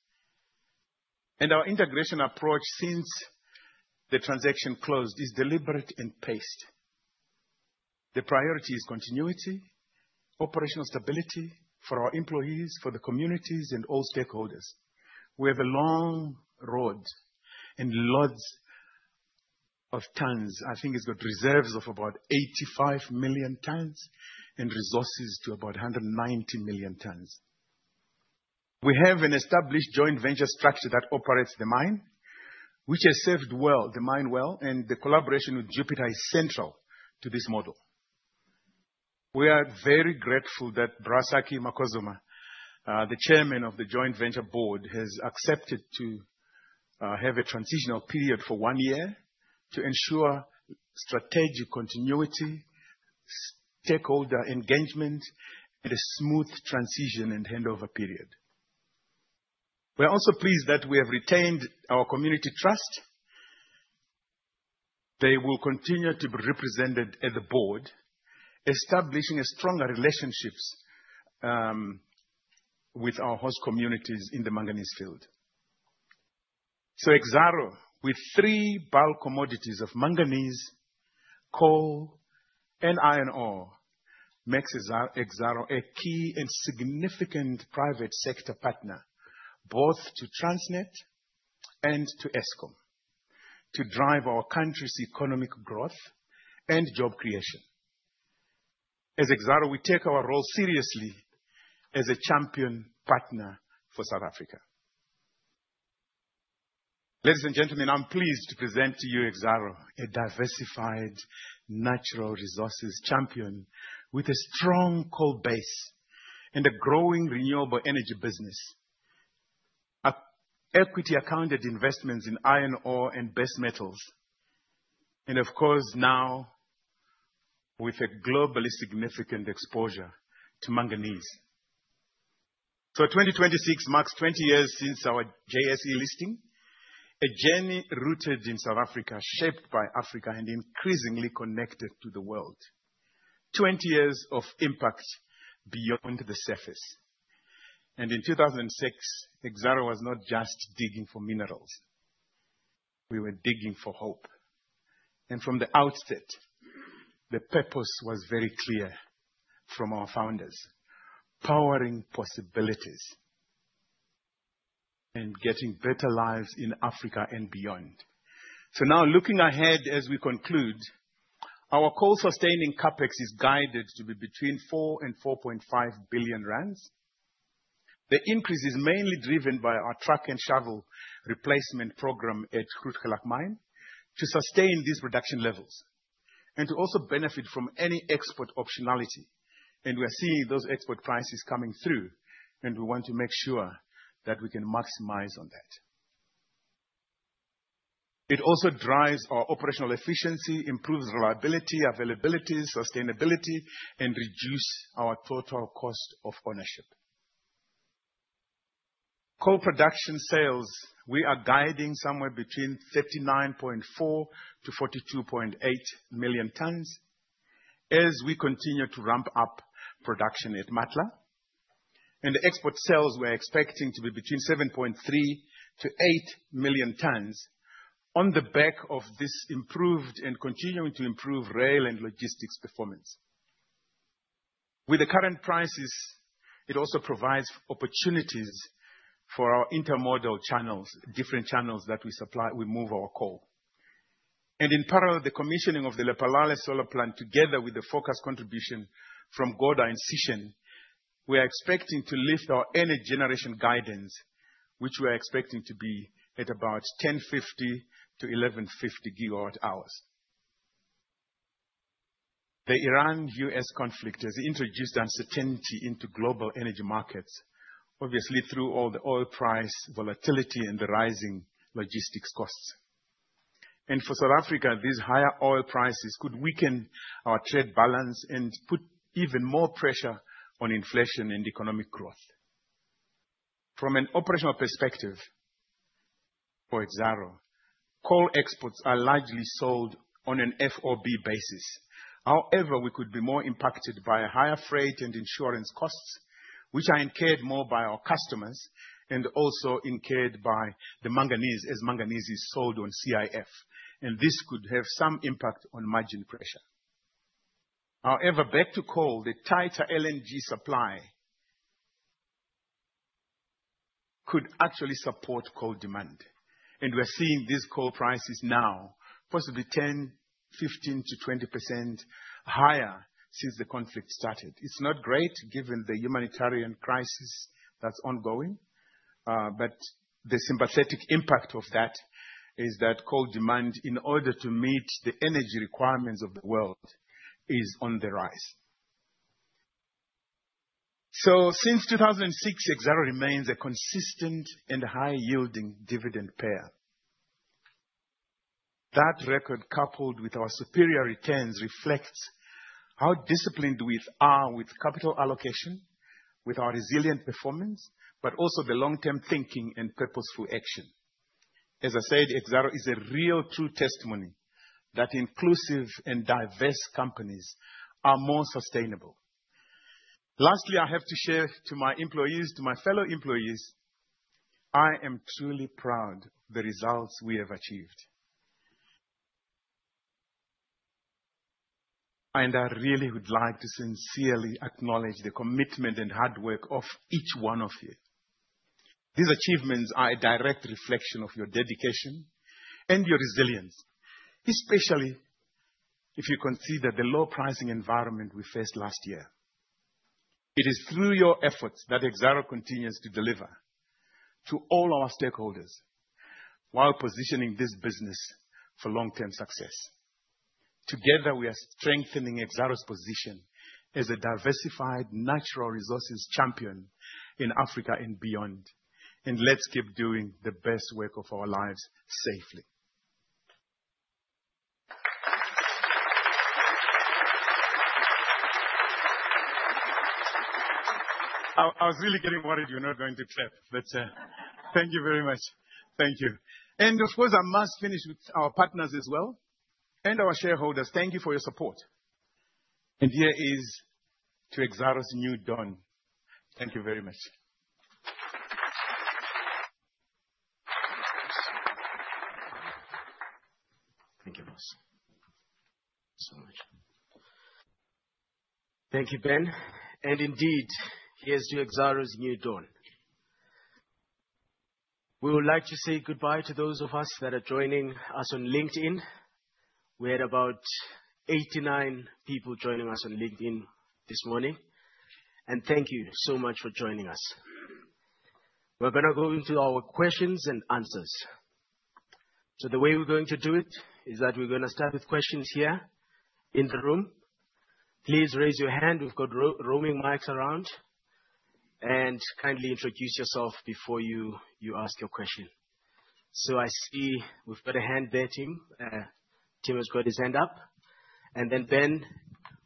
Our integration approach since the transaction closed is deliberate and paced. The priority is continuity, operational stability for our employees, for the communities and all stakeholders. We have a long road and lots of tons. I think it's got reserves of about 85 million tons and resources to about 190 million tons. We have an established joint venture structure that operates the mine, which has served the mine well, and the collaboration with Jupiter is central to this model. We are very grateful that Saki Macozoma, the Chairman of the Joint Venture Board, has accepted to have a transitional period for one year to ensure strategic continuity, stakeholder engagement and a smooth transition and handover period. We are also pleased that we have retained our community trust. They will continue to be represented at the board, establishing stronger relationships with our host communities in the manganese field. Exxaro, with three bulk commodities of manganese, coal and iron ore, makes Exxaro a key and significant private sector partner, both to Transnet and to Eskom, to drive our country's economic growth and job creation. As Exxaro, we take our role seriously as a champion partner for South Africa. Ladies and gentlemen, I'm pleased to present to you Exxaro, a diversified natural resources champion with a strong coal base and a growing renewable energy business. Equity accounted investments in iron ore and base metals, and of course now with a globally significant exposure to manganese. 2026 marks 20 years since our JSE listing. A journey rooted in South Africa, shaped by Africa and increasingly connected to the world. 20 years of impact beyond the surface. In 2006, Exxaro was not just digging for minerals. We were digging for hope. From the outset, the purpose was very clear from our founders, powering possibilities and getting better lives in Africa and beyond. Now looking ahead as we conclude, our coal sustaining CapEx is guided to be between 4 billion-4.5 billion rand. The increase is mainly driven by our truck and shovel replacement program at Grootegeluk Mine to sustain these production levels and to also benefit from any export optionality. We are seeing those export prices coming through, and we want to make sure that we can maximize on that. It also drives our operational efficiency, improves reliability, availability, sustainability, and reduce our total cost of ownership. Coal production sales, we are guiding somewhere between 39.4 million-42.8 million tons as we continue to ramp up production at Matla. Export sales, we're expecting to be between 7.3 million-8 million tons on the back of this improved and continuing to improve rail and logistics performance. With the current prices, it also provides opportunities for our intermodal channels, different channels that we supply, we move our coal. In parallel, the commissioning of the Lephalale solar plant together with the focus contribution from Gouda and Sishen, we are expecting to lift our energy generation guidance, which we are expecting to be at about 1,050 GWh-1,150 GWh. The Iran-U.S. conflict has introduced uncertainty into global energy markets, obviously through all the oil price volatility and the rising logistics costs. For South Africa, these higher oil prices could weaken our trade balance and put even more pressure on inflation and economic growth. From an operational perspective for Exxaro, coal exports are largely sold on an FOB basis. However, we could be more impacted by higher freight and insurance costs, which are incurred more by our customers and also incurred by the manganese as manganese is sold on CIF, and this could have some impact on margin pressure. However, back to coal, the tighter LNG supply could actually support coal demand, and we're seeing these coal prices now possibly 10%, 15%-20% higher since the conflict started. It's not great given the humanitarian crisis that's ongoing, but the systemic impact of that is that coal demand in order to meet the energy requirements of the world is on the rise. Since 2006, Exxaro remains a consistent and high-yielding dividend payer. That record, coupled with our superior returns, reflects how disciplined we are with capital allocation, with our resilient performance, but also the long-term thinking and purposeful action. As I said, Exxaro is a real true testimony that inclusive and diverse companies are more sustainable. Lastly, I have to share to my employees, to my fellow employees, I am truly proud of the results we have achieved. I really would like to sincerely acknowledge the commitment and hard work of each one of you. These achievements are a direct reflection of your dedication and your resilience, especially if you consider the low pricing environment we faced last year. It is through your efforts that Exxaro continues to deliver to all our stakeholders while positioning this business for long-term success. Together, we are strengthening Exxaro's position as a diversified natural resources champion in Africa and beyond. Let's keep doing the best work of our lives safely. I was really getting worried you're not going to clap. But, thank you very much. Thank you. Of course, I must finish with our partners as well and our shareholders. Thank you for your support. Here is to Exxaro's new dawn. Thank you very much. Thank you, Ben. Indeed, here's to Exxaro's new dawn. We would like to say goodbye to those of us that are joining us on LinkedIn. We had about 89 people joining us on LinkedIn this morning. Thank you so much for joining us. We're gonna go into our questions and answers. The way we're going to do it is that we're gonna start with questions here in the room. Please raise your hand. We've got roaming mics around. Kindly introduce yourself before you ask your question. I see we've got a hand there, Tim. Tim has got his hand up. Then Ben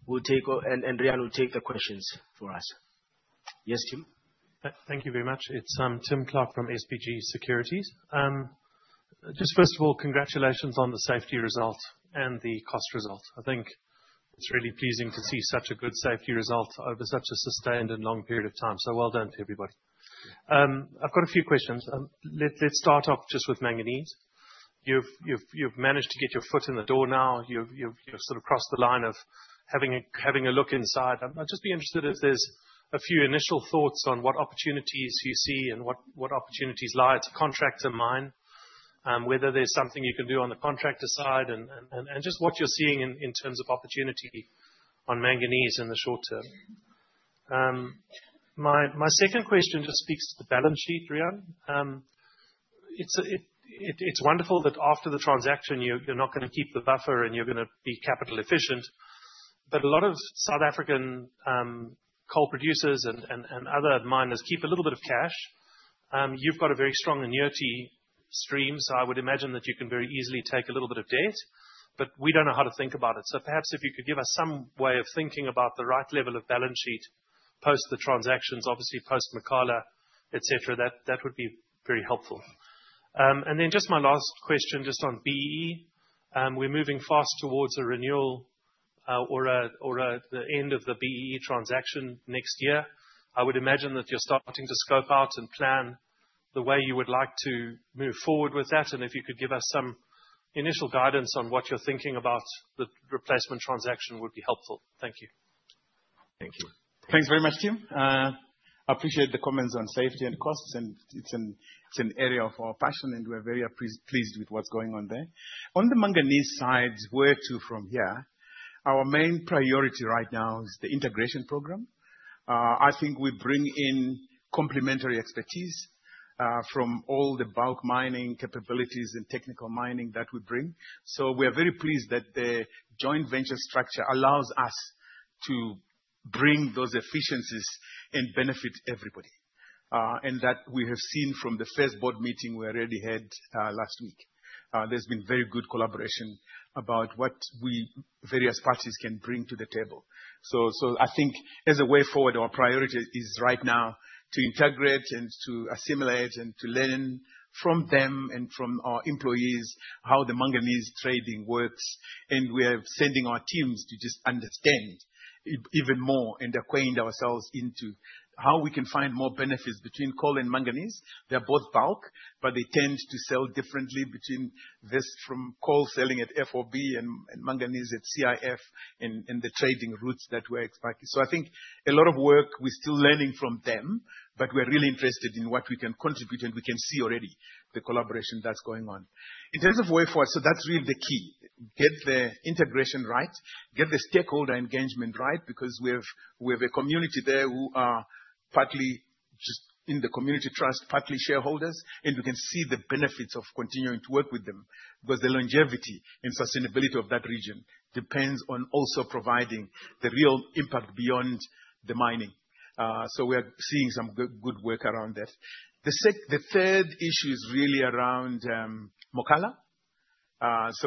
will take over and Riaan will take the questions for us. Yes, Tim? Thank you very much. It's Tim Clark from SBG Securities. Just first of all, congratulations on the safety result and the cost result. I think it's really pleasing to see such a good safety result over such a sustained and long period of time. Well done to everybody. I've got a few questions. Let's start off just with manganese. You've managed to get your foot in the door now. You've sort of crossed the line of having a look inside. I'd just be interested if there's a few initial thoughts on what opportunities you see and what opportunities lie. It's a contractor mine, whether there's something you can do on the contractor side and just what you're seeing in terms of opportunity on manganese in the short term. My second question just speaks to the balance sheet, Riaan. It's wonderful that after the transaction you're not gonna keep the buffer and you're gonna be capital efficient, but a lot of South African coal producers and other miners keep a little bit of cash. You've got a very strong annuity stream, so I would imagine that you can very easily take a little bit of debt. But we don't know how to think about it. Perhaps if you could give us some way of thinking about the right level of balance sheet, post the transactions, obviously post Mokala, et cetera. That would be very helpful. Just my last question, just on BEE. We're moving fast towards a renewal, or the end of the BEE transaction next year. I would imagine that you're starting to scope out and plan the way you would like to move forward with that, and if you could give us some initial guidance on what you're thinking about the replacement transaction would be helpful. Thank you. Thank you. Thanks very much, Tim. Appreciate the comments on safety and costs, and it's an area of our passion, and we're very pleased with what's going on there. On the Manganese side, where to from here? Our main priority right now is the integration program. I think we bring in complementary expertise from all the bulk mining capabilities and technical mining that we bring. We are very pleased that the joint venture structure allows us to bring those efficiencies and benefit everybody. That we have seen from the first board meeting we already had last week. There's been very good collaboration about what various parties can bring to the table. I think as a way forward, our priority is right now to integrate and to assimilate and to learn from them and from our employees how the manganese trading works. We are sending our teams to just understand even more and acquainting ourselves into how we can find more benefits between coal and manganese. They're both bulk, but they tend to sell differently distinct from coal selling at FOB and manganese at CIF and the trading routes that we're expecting. I think a lot of work. We're still learning from them, but we're really interested in what we can contribute, and we can see already the collaboration that's going on. In terms of way forward, that's really the key. Get the integration right, get the stakeholder engagement right, because we have a community there who are partly just in the community trust, partly shareholders, and we can see the benefits of continuing to work with them. The longevity and sustainability of that region depends on also providing the real impact beyond the mining. We're seeing some good work around that. The third issue is really around Mokala.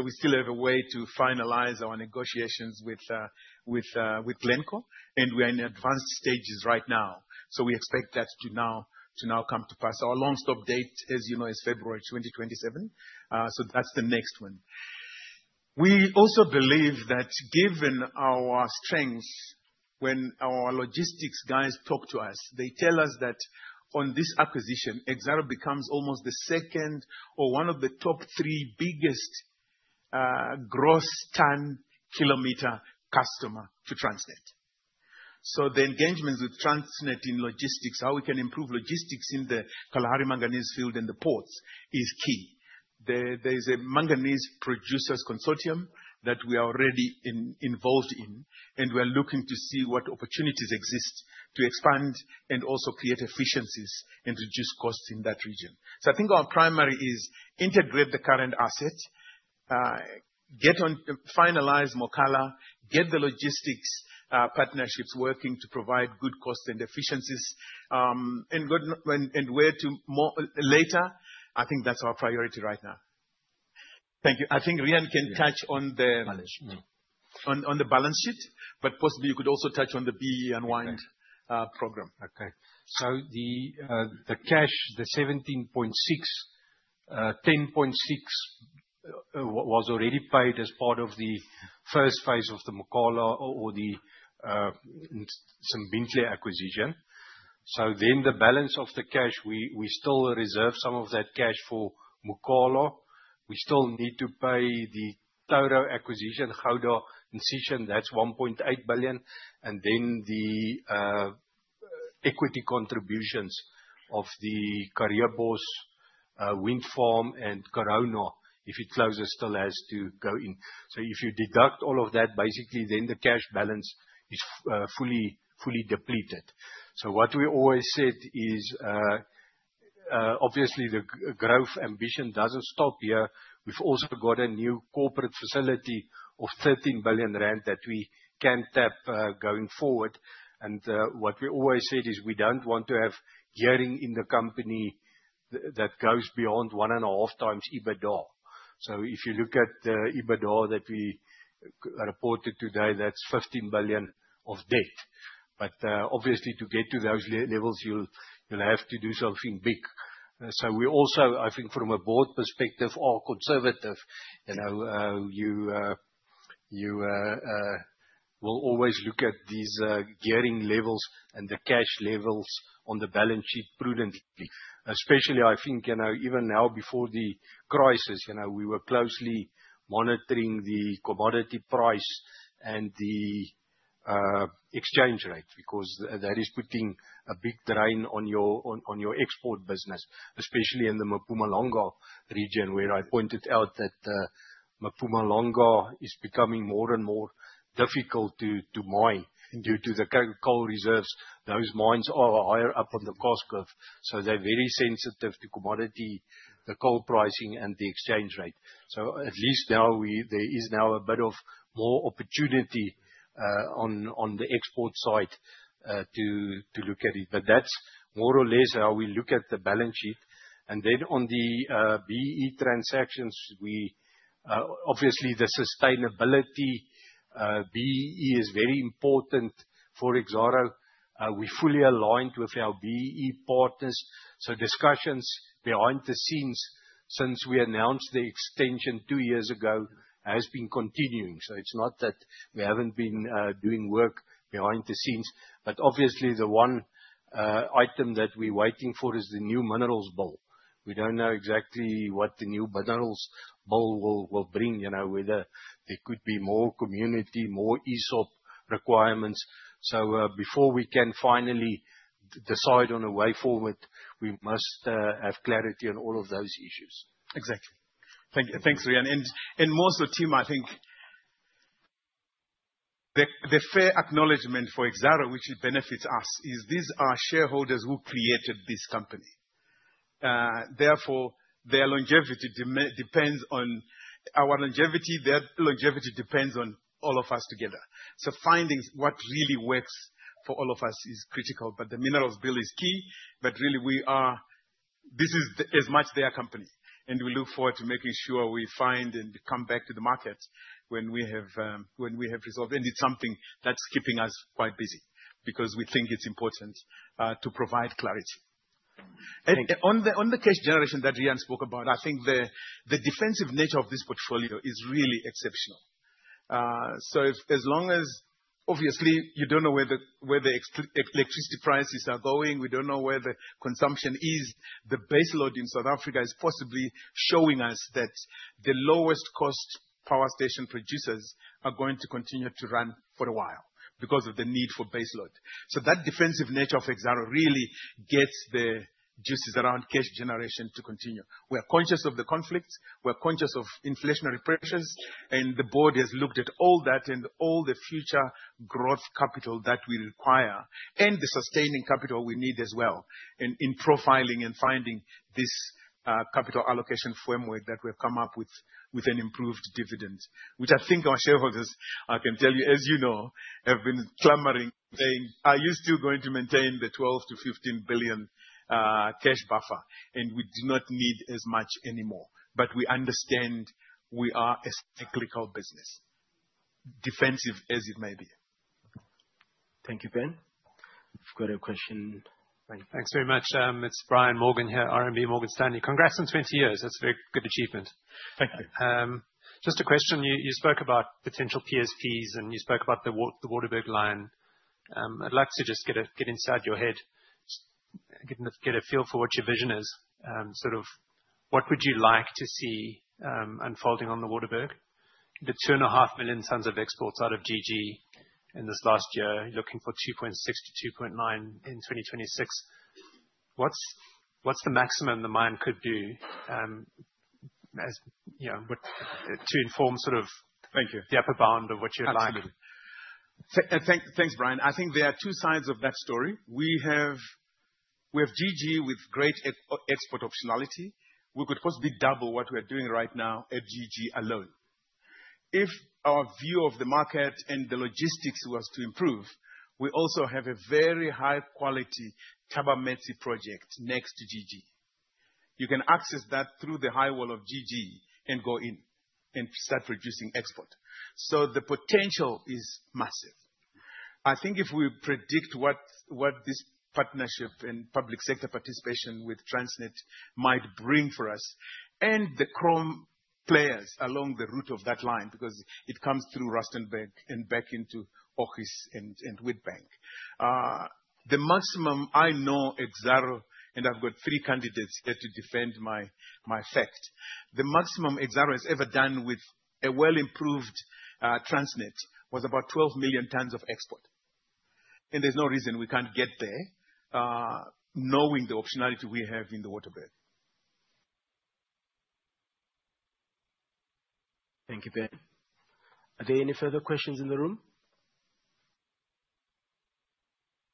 We still have a way to finalize our negotiations with Glencore, and we are in advanced stages right now, so we expect that to now come to pass. Our long-stop date, as you know, is February 2027. That's the next one. We also believe that given our strengths, when our logistics guys talk to us, they tell us that on this acquisition, Exxaro becomes almost the second or one of the top three biggest, gross ton kilometer customer to Transnet. The engagements with Transnet in logistics, how we can improve logistics in the Kalahari Manganese Field and the ports is key. There is a Manganese Producers Consortium that we are already involved in, and we are looking to see what opportunities exist to expand and also create efficiencies and reduce costs in that region. I think our priority is to integrate the current assets, finalize Mokala, get the logistics partnerships working to provide good cost and efficiencies, and whatever more later. I think that's our priority right now. Thank you. I think Riaan can touch on the on the balance sheet, but possibly you could also touch on the BEE unwind program. Okay. The cash, the 17.6 billion, 10.6 billion was already paid as part of the first phase of the Mokala or the Ntsimbintle acquisition. The balance of the cash, we still reserve some of that cash for Mokala. We still need to pay the other acquisition, Gouda acquisition, that's ZAR 1.8 billion. The equity contributions of the Karreebosch wind farm and Cerro Corona, if it closes, still has to go in. If you deduct all of that, basically the cash balance is fully depleted. What we always said is, obviously the growth ambition doesn't stop here. We've also got a new corporate facility of 13 billion rand that we can tap going forward. What we always said is we don't want to have gearing in the company that goes beyond 1.5x EBITDA. If you look at EBITDA that we reported today, that's 15 billion of debt. Obviously to get to those levels, you'll have to do something big. We also, I think from a board perspective, are conservative. You know, will always look at these gearing levels and the cash levels on the balance sheet prudently. Especially, I think, you know, even now before the crisis, you know, we were closely monitoring the commodity price and the exchange rate because that is putting a big drain on your export business, especially in the Mpumalanga region, where I pointed out that Mpumalanga is becoming more and more difficult to mine due to the coal reserves. Those mines are higher up on the cost curve, so they're very sensitive to commodity, the coal pricing, and the exchange rate. So at least now there is a bit more opportunity on the export side to look at it. But that's more or less how we look at the balance sheet. On the BEE transactions, obviously the sustainability BEE is very important for Exxaro. We're fully aligned with our BEE partners, so discussions behind the scenes since we announced the extension two years ago has been continuing. It's not that we haven't been doing work behind the scenes. Obviously the one item that we're waiting for is the new Minerals Bill. We don't know exactly what the new Minerals Bill will bring, you know, whether there could be more community, more ESOP requirements. Before we can finally decide on a way forward, we must have clarity on all of those issues. Thank you. Exactly. Thanks, Riaan. Most of the team, I think, the fair acknowledgement for Exxaro, which it benefits us, is these are shareholders who created this company. Therefore, their longevity depends on our longevity, their longevity depends on all of us together. Finding what really works for all of us is critical, but the Minerals Bill is key. Really, we are, this is as much their company, and we look forward to making sure we find and come back to the market when we have resolved. It's something that's keeping us quite busy because we think it's important to provide clarity. On the cash generation that Riaan spoke about, I think the defensive nature of this portfolio is really exceptional. As long as. Obviously, you don't know where the electricity prices are going. We don't know where the consumption is. The base load in South Africa is possibly showing us that the lowest cost power station producers are going to continue to run for a while because of the need for base load. That defensive nature of Exxaro really gets the juices flowing around cash generation to continue. We are conscious of the conflicts, we're conscious of inflationary pressures, and the board has looked at all that and all the future growth capital that we require and the sustaining capital we need as well in profiling and finding this capital allocation framework that we have come up with an improved dividend. Which I think our shareholders, I can tell you, as you know, have been clamoring, saying, "Are you still going to maintain the 12 billion-15 billion cash buffer?" We do not need as much anymore. We understand we are a cyclical business, defensive as it may be. Thank you. Ben. We've got a question. Thanks very much. It's Brian Morgan here, RMB Morgan Stanley. Congrats on 20 years. That's a very good achievement. Thank you. Just a question. You spoke about potential PSPs, and you spoke about the Waterberg line. I'd like to just get inside your head, get a feel for what your vision is. Sort of what would you like to see unfolding on the Waterberg? The 2.5 million tons of exports out of GG in this last year, looking for 2.6 million-2.9 million in 2026. What's the maximum the mine could do, you know, what to inform sort of-- The upper bound of what you're liking. Absolutely. Thanks, Brian. I think there are two sides of that story. We have GG with great export optionality. We could possibly double what we are doing right now at GG alone. If our view of the market and the logistics was to improve, we also have a very high quality Thabametsi project next to GG. You can access that through the high wall of GG and go in and start producing export. The potential is massive. I think if we predict what this partnership and private sector participation with Transnet might bring for us and the chrome players along the route of that line, because it comes through Rustenburg and back into Ogies and Witbank. The maximum I know Exxaro, and I've got three candidates here to defend my fact, the maximum Exxaro has ever done with a well improved, Transnet was about 12 million tons of export. There's no reason we can't get there, knowing the optionality we have in the Waterberg. Thank you, Ben. Are there any further questions in the room?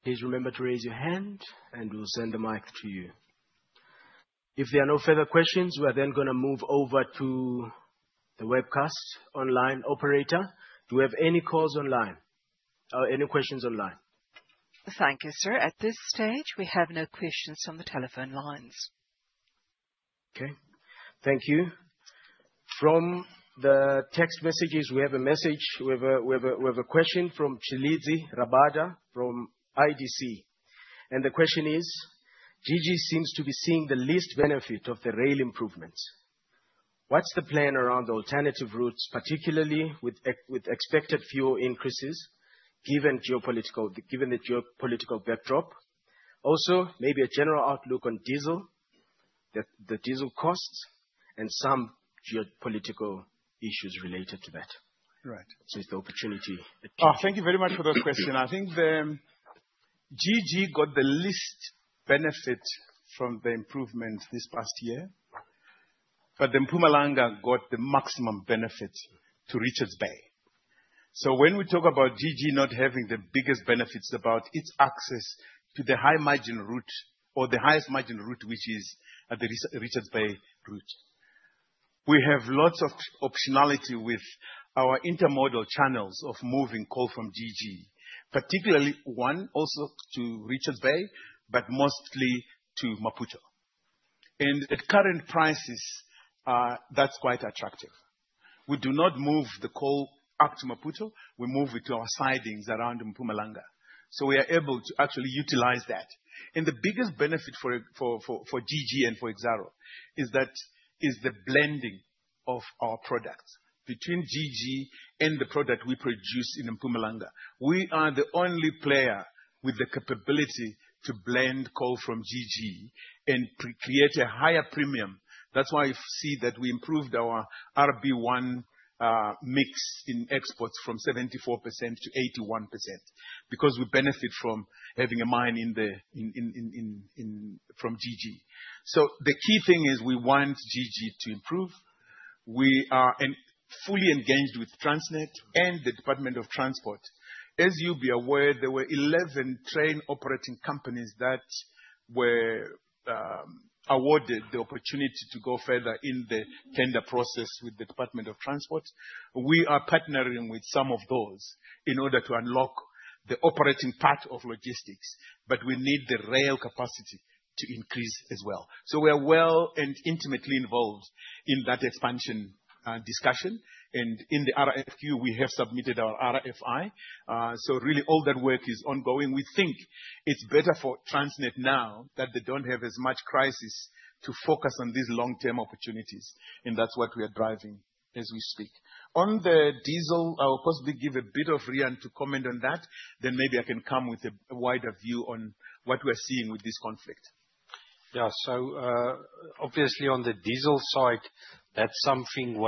Please remember to raise your hand, and we'll send the mic to you. If there are no further questions, we are then gonna move over to the webcast online. Operator, do we have any calls online or any questions online? Thank you, sir. At this stage, we have no questions on the telephone lines. Okay, thank you. From the text messages, we have a message. We have a question from Chilizi Rabada from IDC. The question is: GG seems to be seeing the least benefit of the rail improvements. What's the plan around the alternative routes, particularly with expected fuel increases, given the geopolitical backdrop? Also, maybe a general outlook on diesel, the diesel costs and some geopolitical issues related to that. Right. It's the opportunity. Oh, thank you very much for those questions. I think GG got the least benefit from the improvements this past year, but then Mpumalanga got the maximum benefit to Richards Bay. When we talk about GG not having the biggest benefits about its access to the high-margin route or the highest margin route, which is the Richards Bay route. We have lots of optionality with our intermodal channels of moving coal from GG, particularly one also to Richards Bay, but mostly to Maputo. At current prices, that's quite attractive. We do not move the coal up to Maputo. We move it to our sidings around Mpumalanga. We are able to actually utilize that. The biggest benefit for GG and for Exxaro is the blending of our products between GG and the product we produce in Mpumalanga. We are the only player with the capability to blend coal from GG and to create a higher premium. That's why you see that we improved our RB1 mix in exports from 74%-81%, because we benefit from having a mine from GG. The key thing is we want GG to improve. We are fully engaged with Transnet and the Department of Transport. As you'll be aware, there were 11 train operating companies that were awarded the opportunity to go further in the tender process with the Department of Transport. We are partnering with some of those in order to unlock the operating part of logistics, but we need the rail capacity to increase as well. We are well and intimately involved in that expansion discussion. In the RFQ we have submitted our RFI. Really all that work is ongoing. We think it's better for Transnet now that they don't have as much crisis to focus on these long-term opportunities, and that's what we are driving as we speak. On the diesel, I will possibly give a bit to Riaan to comment on that, then maybe I can come with a wider view on what we're seeing with this conflict. Obviously on the diesel side, that's something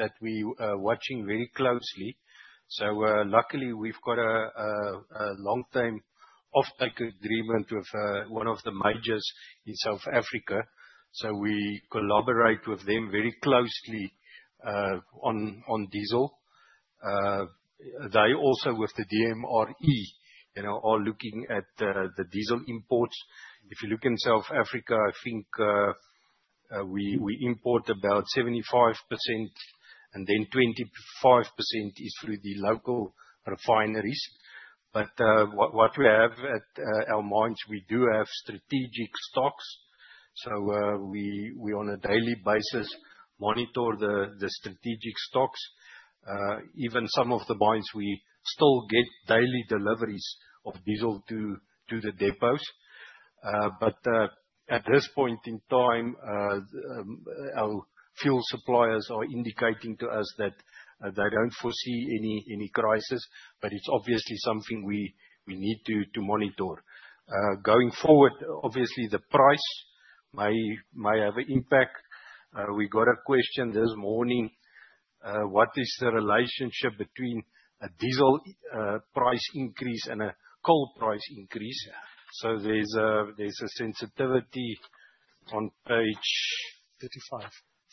that we watching very closely. Luckily we've got a long-term offtake agreement with one of the majors in South Africa. We collaborate with them very closely on diesel. They also with the DMRE, you know, are looking at the diesel imports. If you look in South Africa, I think we import about 75%, and then 25% is through the local refineries. What we have at our mines, we do have strategic stocks. We on a daily basis monitor the strategic stocks. Even some of the mines, we still get daily deliveries of diesel to the depots. At this point in time, our fuel suppliers are indicating to us that they don't foresee any crisis, but it's obviously something we need to monitor. Going forward, obviously the price may have an impact. We got a question this morning, what is the relationship between a diesel price increase and a coal price increase? There's a sensitivity on page-- 35.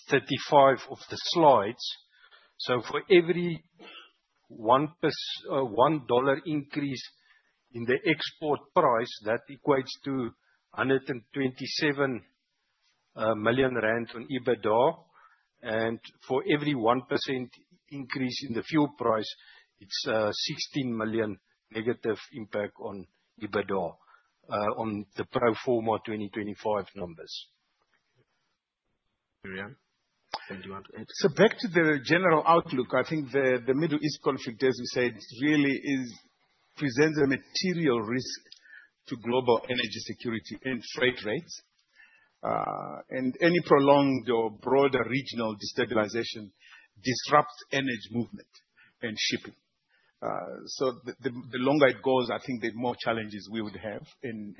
35 of the slides. For every $1 increase in the export price, that equates to 127 million rand on EBITDA. For every 1% increase in the fuel price, it's 16 million negative impact on EBITDA on the pro forma 2025 numbers. Ben, anything you want to add? Back to the general outlook. I think the Middle East conflict, as we said, really presents a material risk to global energy security and freight rates. Any prolonged or broader regional destabilization disrupts energy movement and shipping. The longer it goes, I think the more challenges we would have in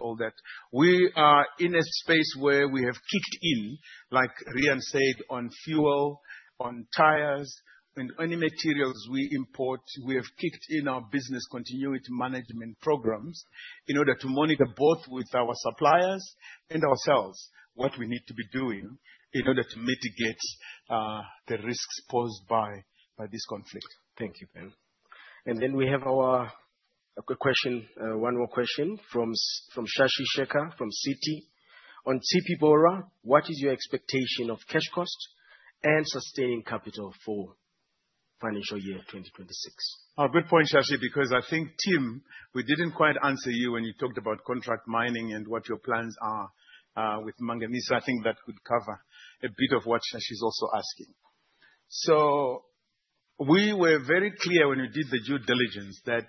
all that. We are in a space where we have kicked in, like Riaan said, on fuel, on tires, and any materials we import. We have kicked in our business continuity management programs in order to monitor both with our suppliers and ourselves what we need to be doing in order to mitigate the risks posed by this conflict. Thank you Ben. We have a quick question, one more question from Shashi Shekhar from Citi. On Tshipi Borwa, what is your expectation of cash costs and sustaining capital for financial year 2026. Good point, Shashi, because I think, Tim, we didn't quite answer you when you talked about contract mining and what your plans are, with manganese. I think that could cover a bit of what Shashi's also asking. We were very clear when we did the due diligence that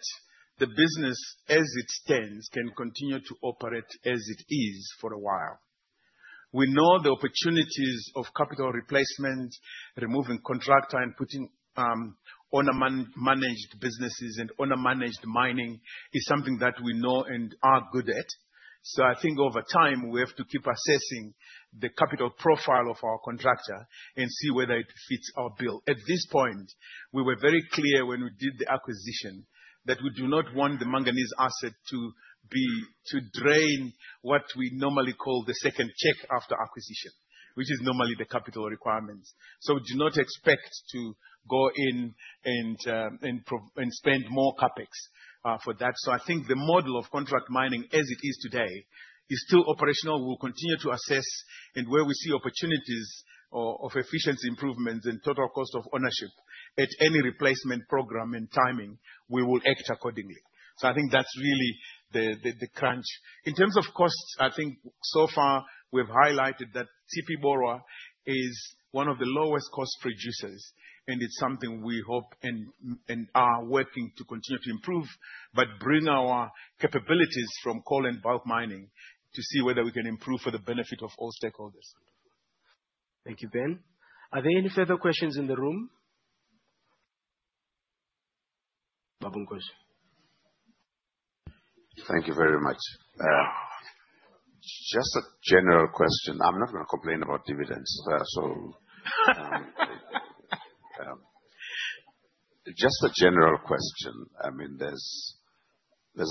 the business as it stands can continue to operate as it is for a while. We know the opportunities of capital replacement, removing contractor and putting owner-managed businesses and owner-managed mining is something that we know and are good at. I think over time, we have to keep assessing the capital profile of our contractor and see whether it fits our bill. At this point, we were very clear when we did the acquisition that we do not want the manganese asset to drain what we normally call the second check after acquisition, which is normally the capital requirements. Do not expect to go in and spend more CapEx for that. I think the model of contract mining as it is today is still operational. We'll continue to assess and where we see opportunities of efficiency improvements in total cost of ownership at any replacement program and timing, we will act accordingly. I think that's really the crunch. In terms of costs, I think so far we've highlighted that Tshipi Borwa is one of the lowest cost producers, and it's something we hope and are working to continue to improve, but bring our capabilities from coal and bulk mining to see whether we can improve for the benefit of all stakeholders. Thank you, Ben. Are there any further questions in the room? Bonginkosi. Thank you very much. Just a general question. I'm not gonna complain about dividends, so just a general question. I mean, there's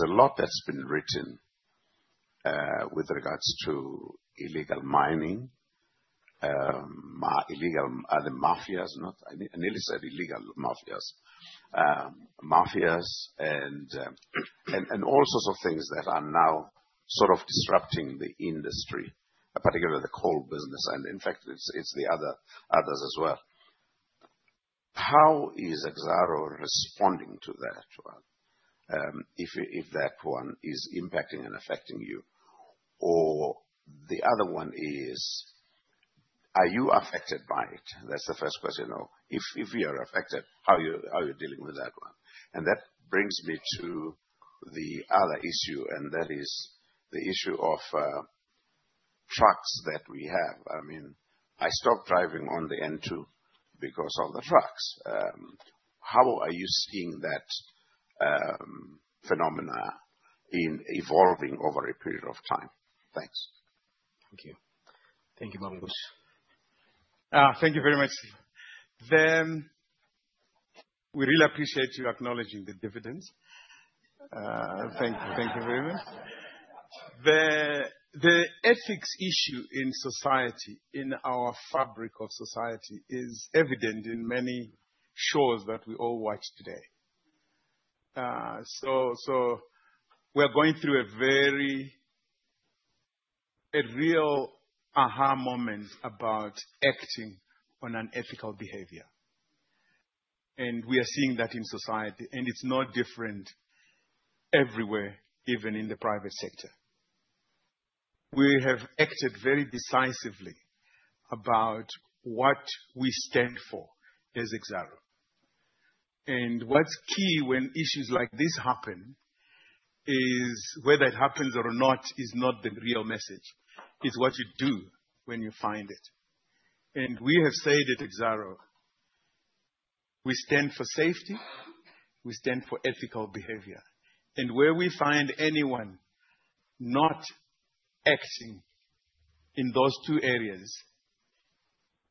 a lot that's been written with regards to illegal mining, illegal. Are they mafias? Not. I nearly said illegal mafias. Mafias and all sorts of things that are now sort of disrupting the industry, particularly the coal business, and in fact, it's the others as well. How is Exxaro responding to that one? If that one is impacting and affecting you. Or the other one is, are you affected by it? That's the first question. Or if you are affected, how are you dealing with that one? That brings me to the other issue, and that is the issue of trucks that we have. I mean, I stopped driving on the N2 because of the trucks. How are you seeing that phenomenon evolving over a period of time? Thanks. Thank you. Thank you, Bonginkosi. Thank you very much. We really appreciate you acknowledging the dividends. Thank you. Thank you very much. The ethics issue in society, in our fabric of society is evident in many shows that we all watch today. We're going through a very real aha moment about acting on unethical behavior. We are seeing that in society, and it's not different everywhere, even in the private sector. We have acted very decisively about what we stand for as Exxaro. What's key when issues like this happen is whether it happens or not is not the real message. It's what you do when you find it. We have said at Exxaro, we stand for safety, we stand for ethical behavior. Where we find anyone not acting in those two areas,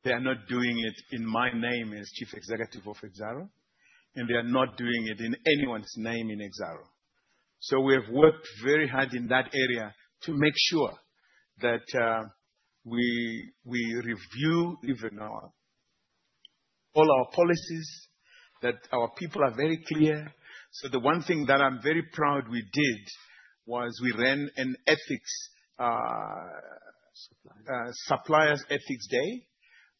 they are not doing it in my name as Chief Executive of Exxaro, and they are not doing it in anyone's name in Exxaro. We have worked very hard in that area to make sure that we review even our all our policies, that our people are very clear. The one thing that I'm very proud we did was we ran an ethics, Suppliers Ethics Day.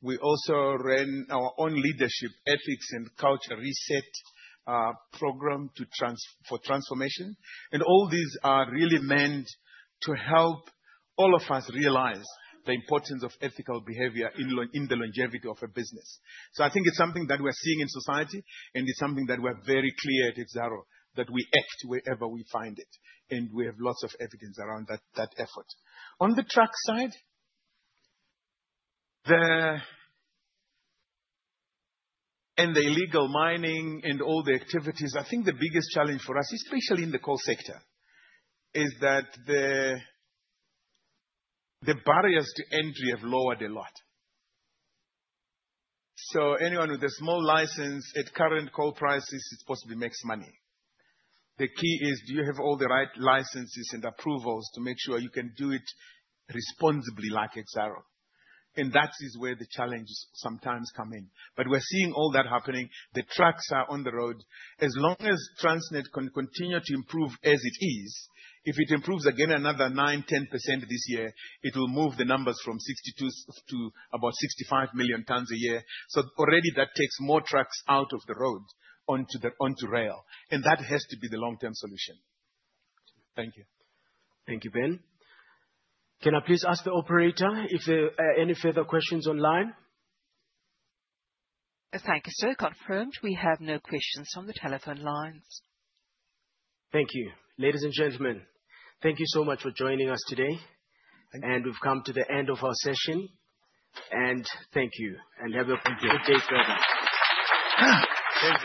We also ran our own leadership ethics and culture reset program for transformation. All these are really meant to help all of us realize the importance of ethical behavior in the longevity of a business. I think it's something that we're seeing in society, and it's something that we're very clear at Exxaro, that we act wherever we find it, and we have lots of evidence around that effort. On the truck side and the illegal mining and all the activities, I think the biggest challenge for us, especially in the coal sector, is that the barriers to entry have lowered a lot. Anyone with a small license at current coal prices possibly makes money. The key is, do you have all the right licenses and approvals to make sure you can do it responsibly like Exxaro? That is where the challenges sometimes come in. We're seeing all that happening. The trucks are on the road. As long as Transnet can continue to improve as it is, if it improves again another 9%-10% this year, it will move the numbers from 62 million to about 65 million tons a year. Already that takes more trucks out of the road onto rail, and that has to be the long-term solution. Thank you. Thank you, Ben. Can I please ask the operator if there are any further questions online? Thank you, sir. Confirmed we have no questions on the telephone lines. Thank you. Ladies and gentlemen, thank you so much for joining us today. We've come to the end of our session. Thank you, and have a good day further. Thank you.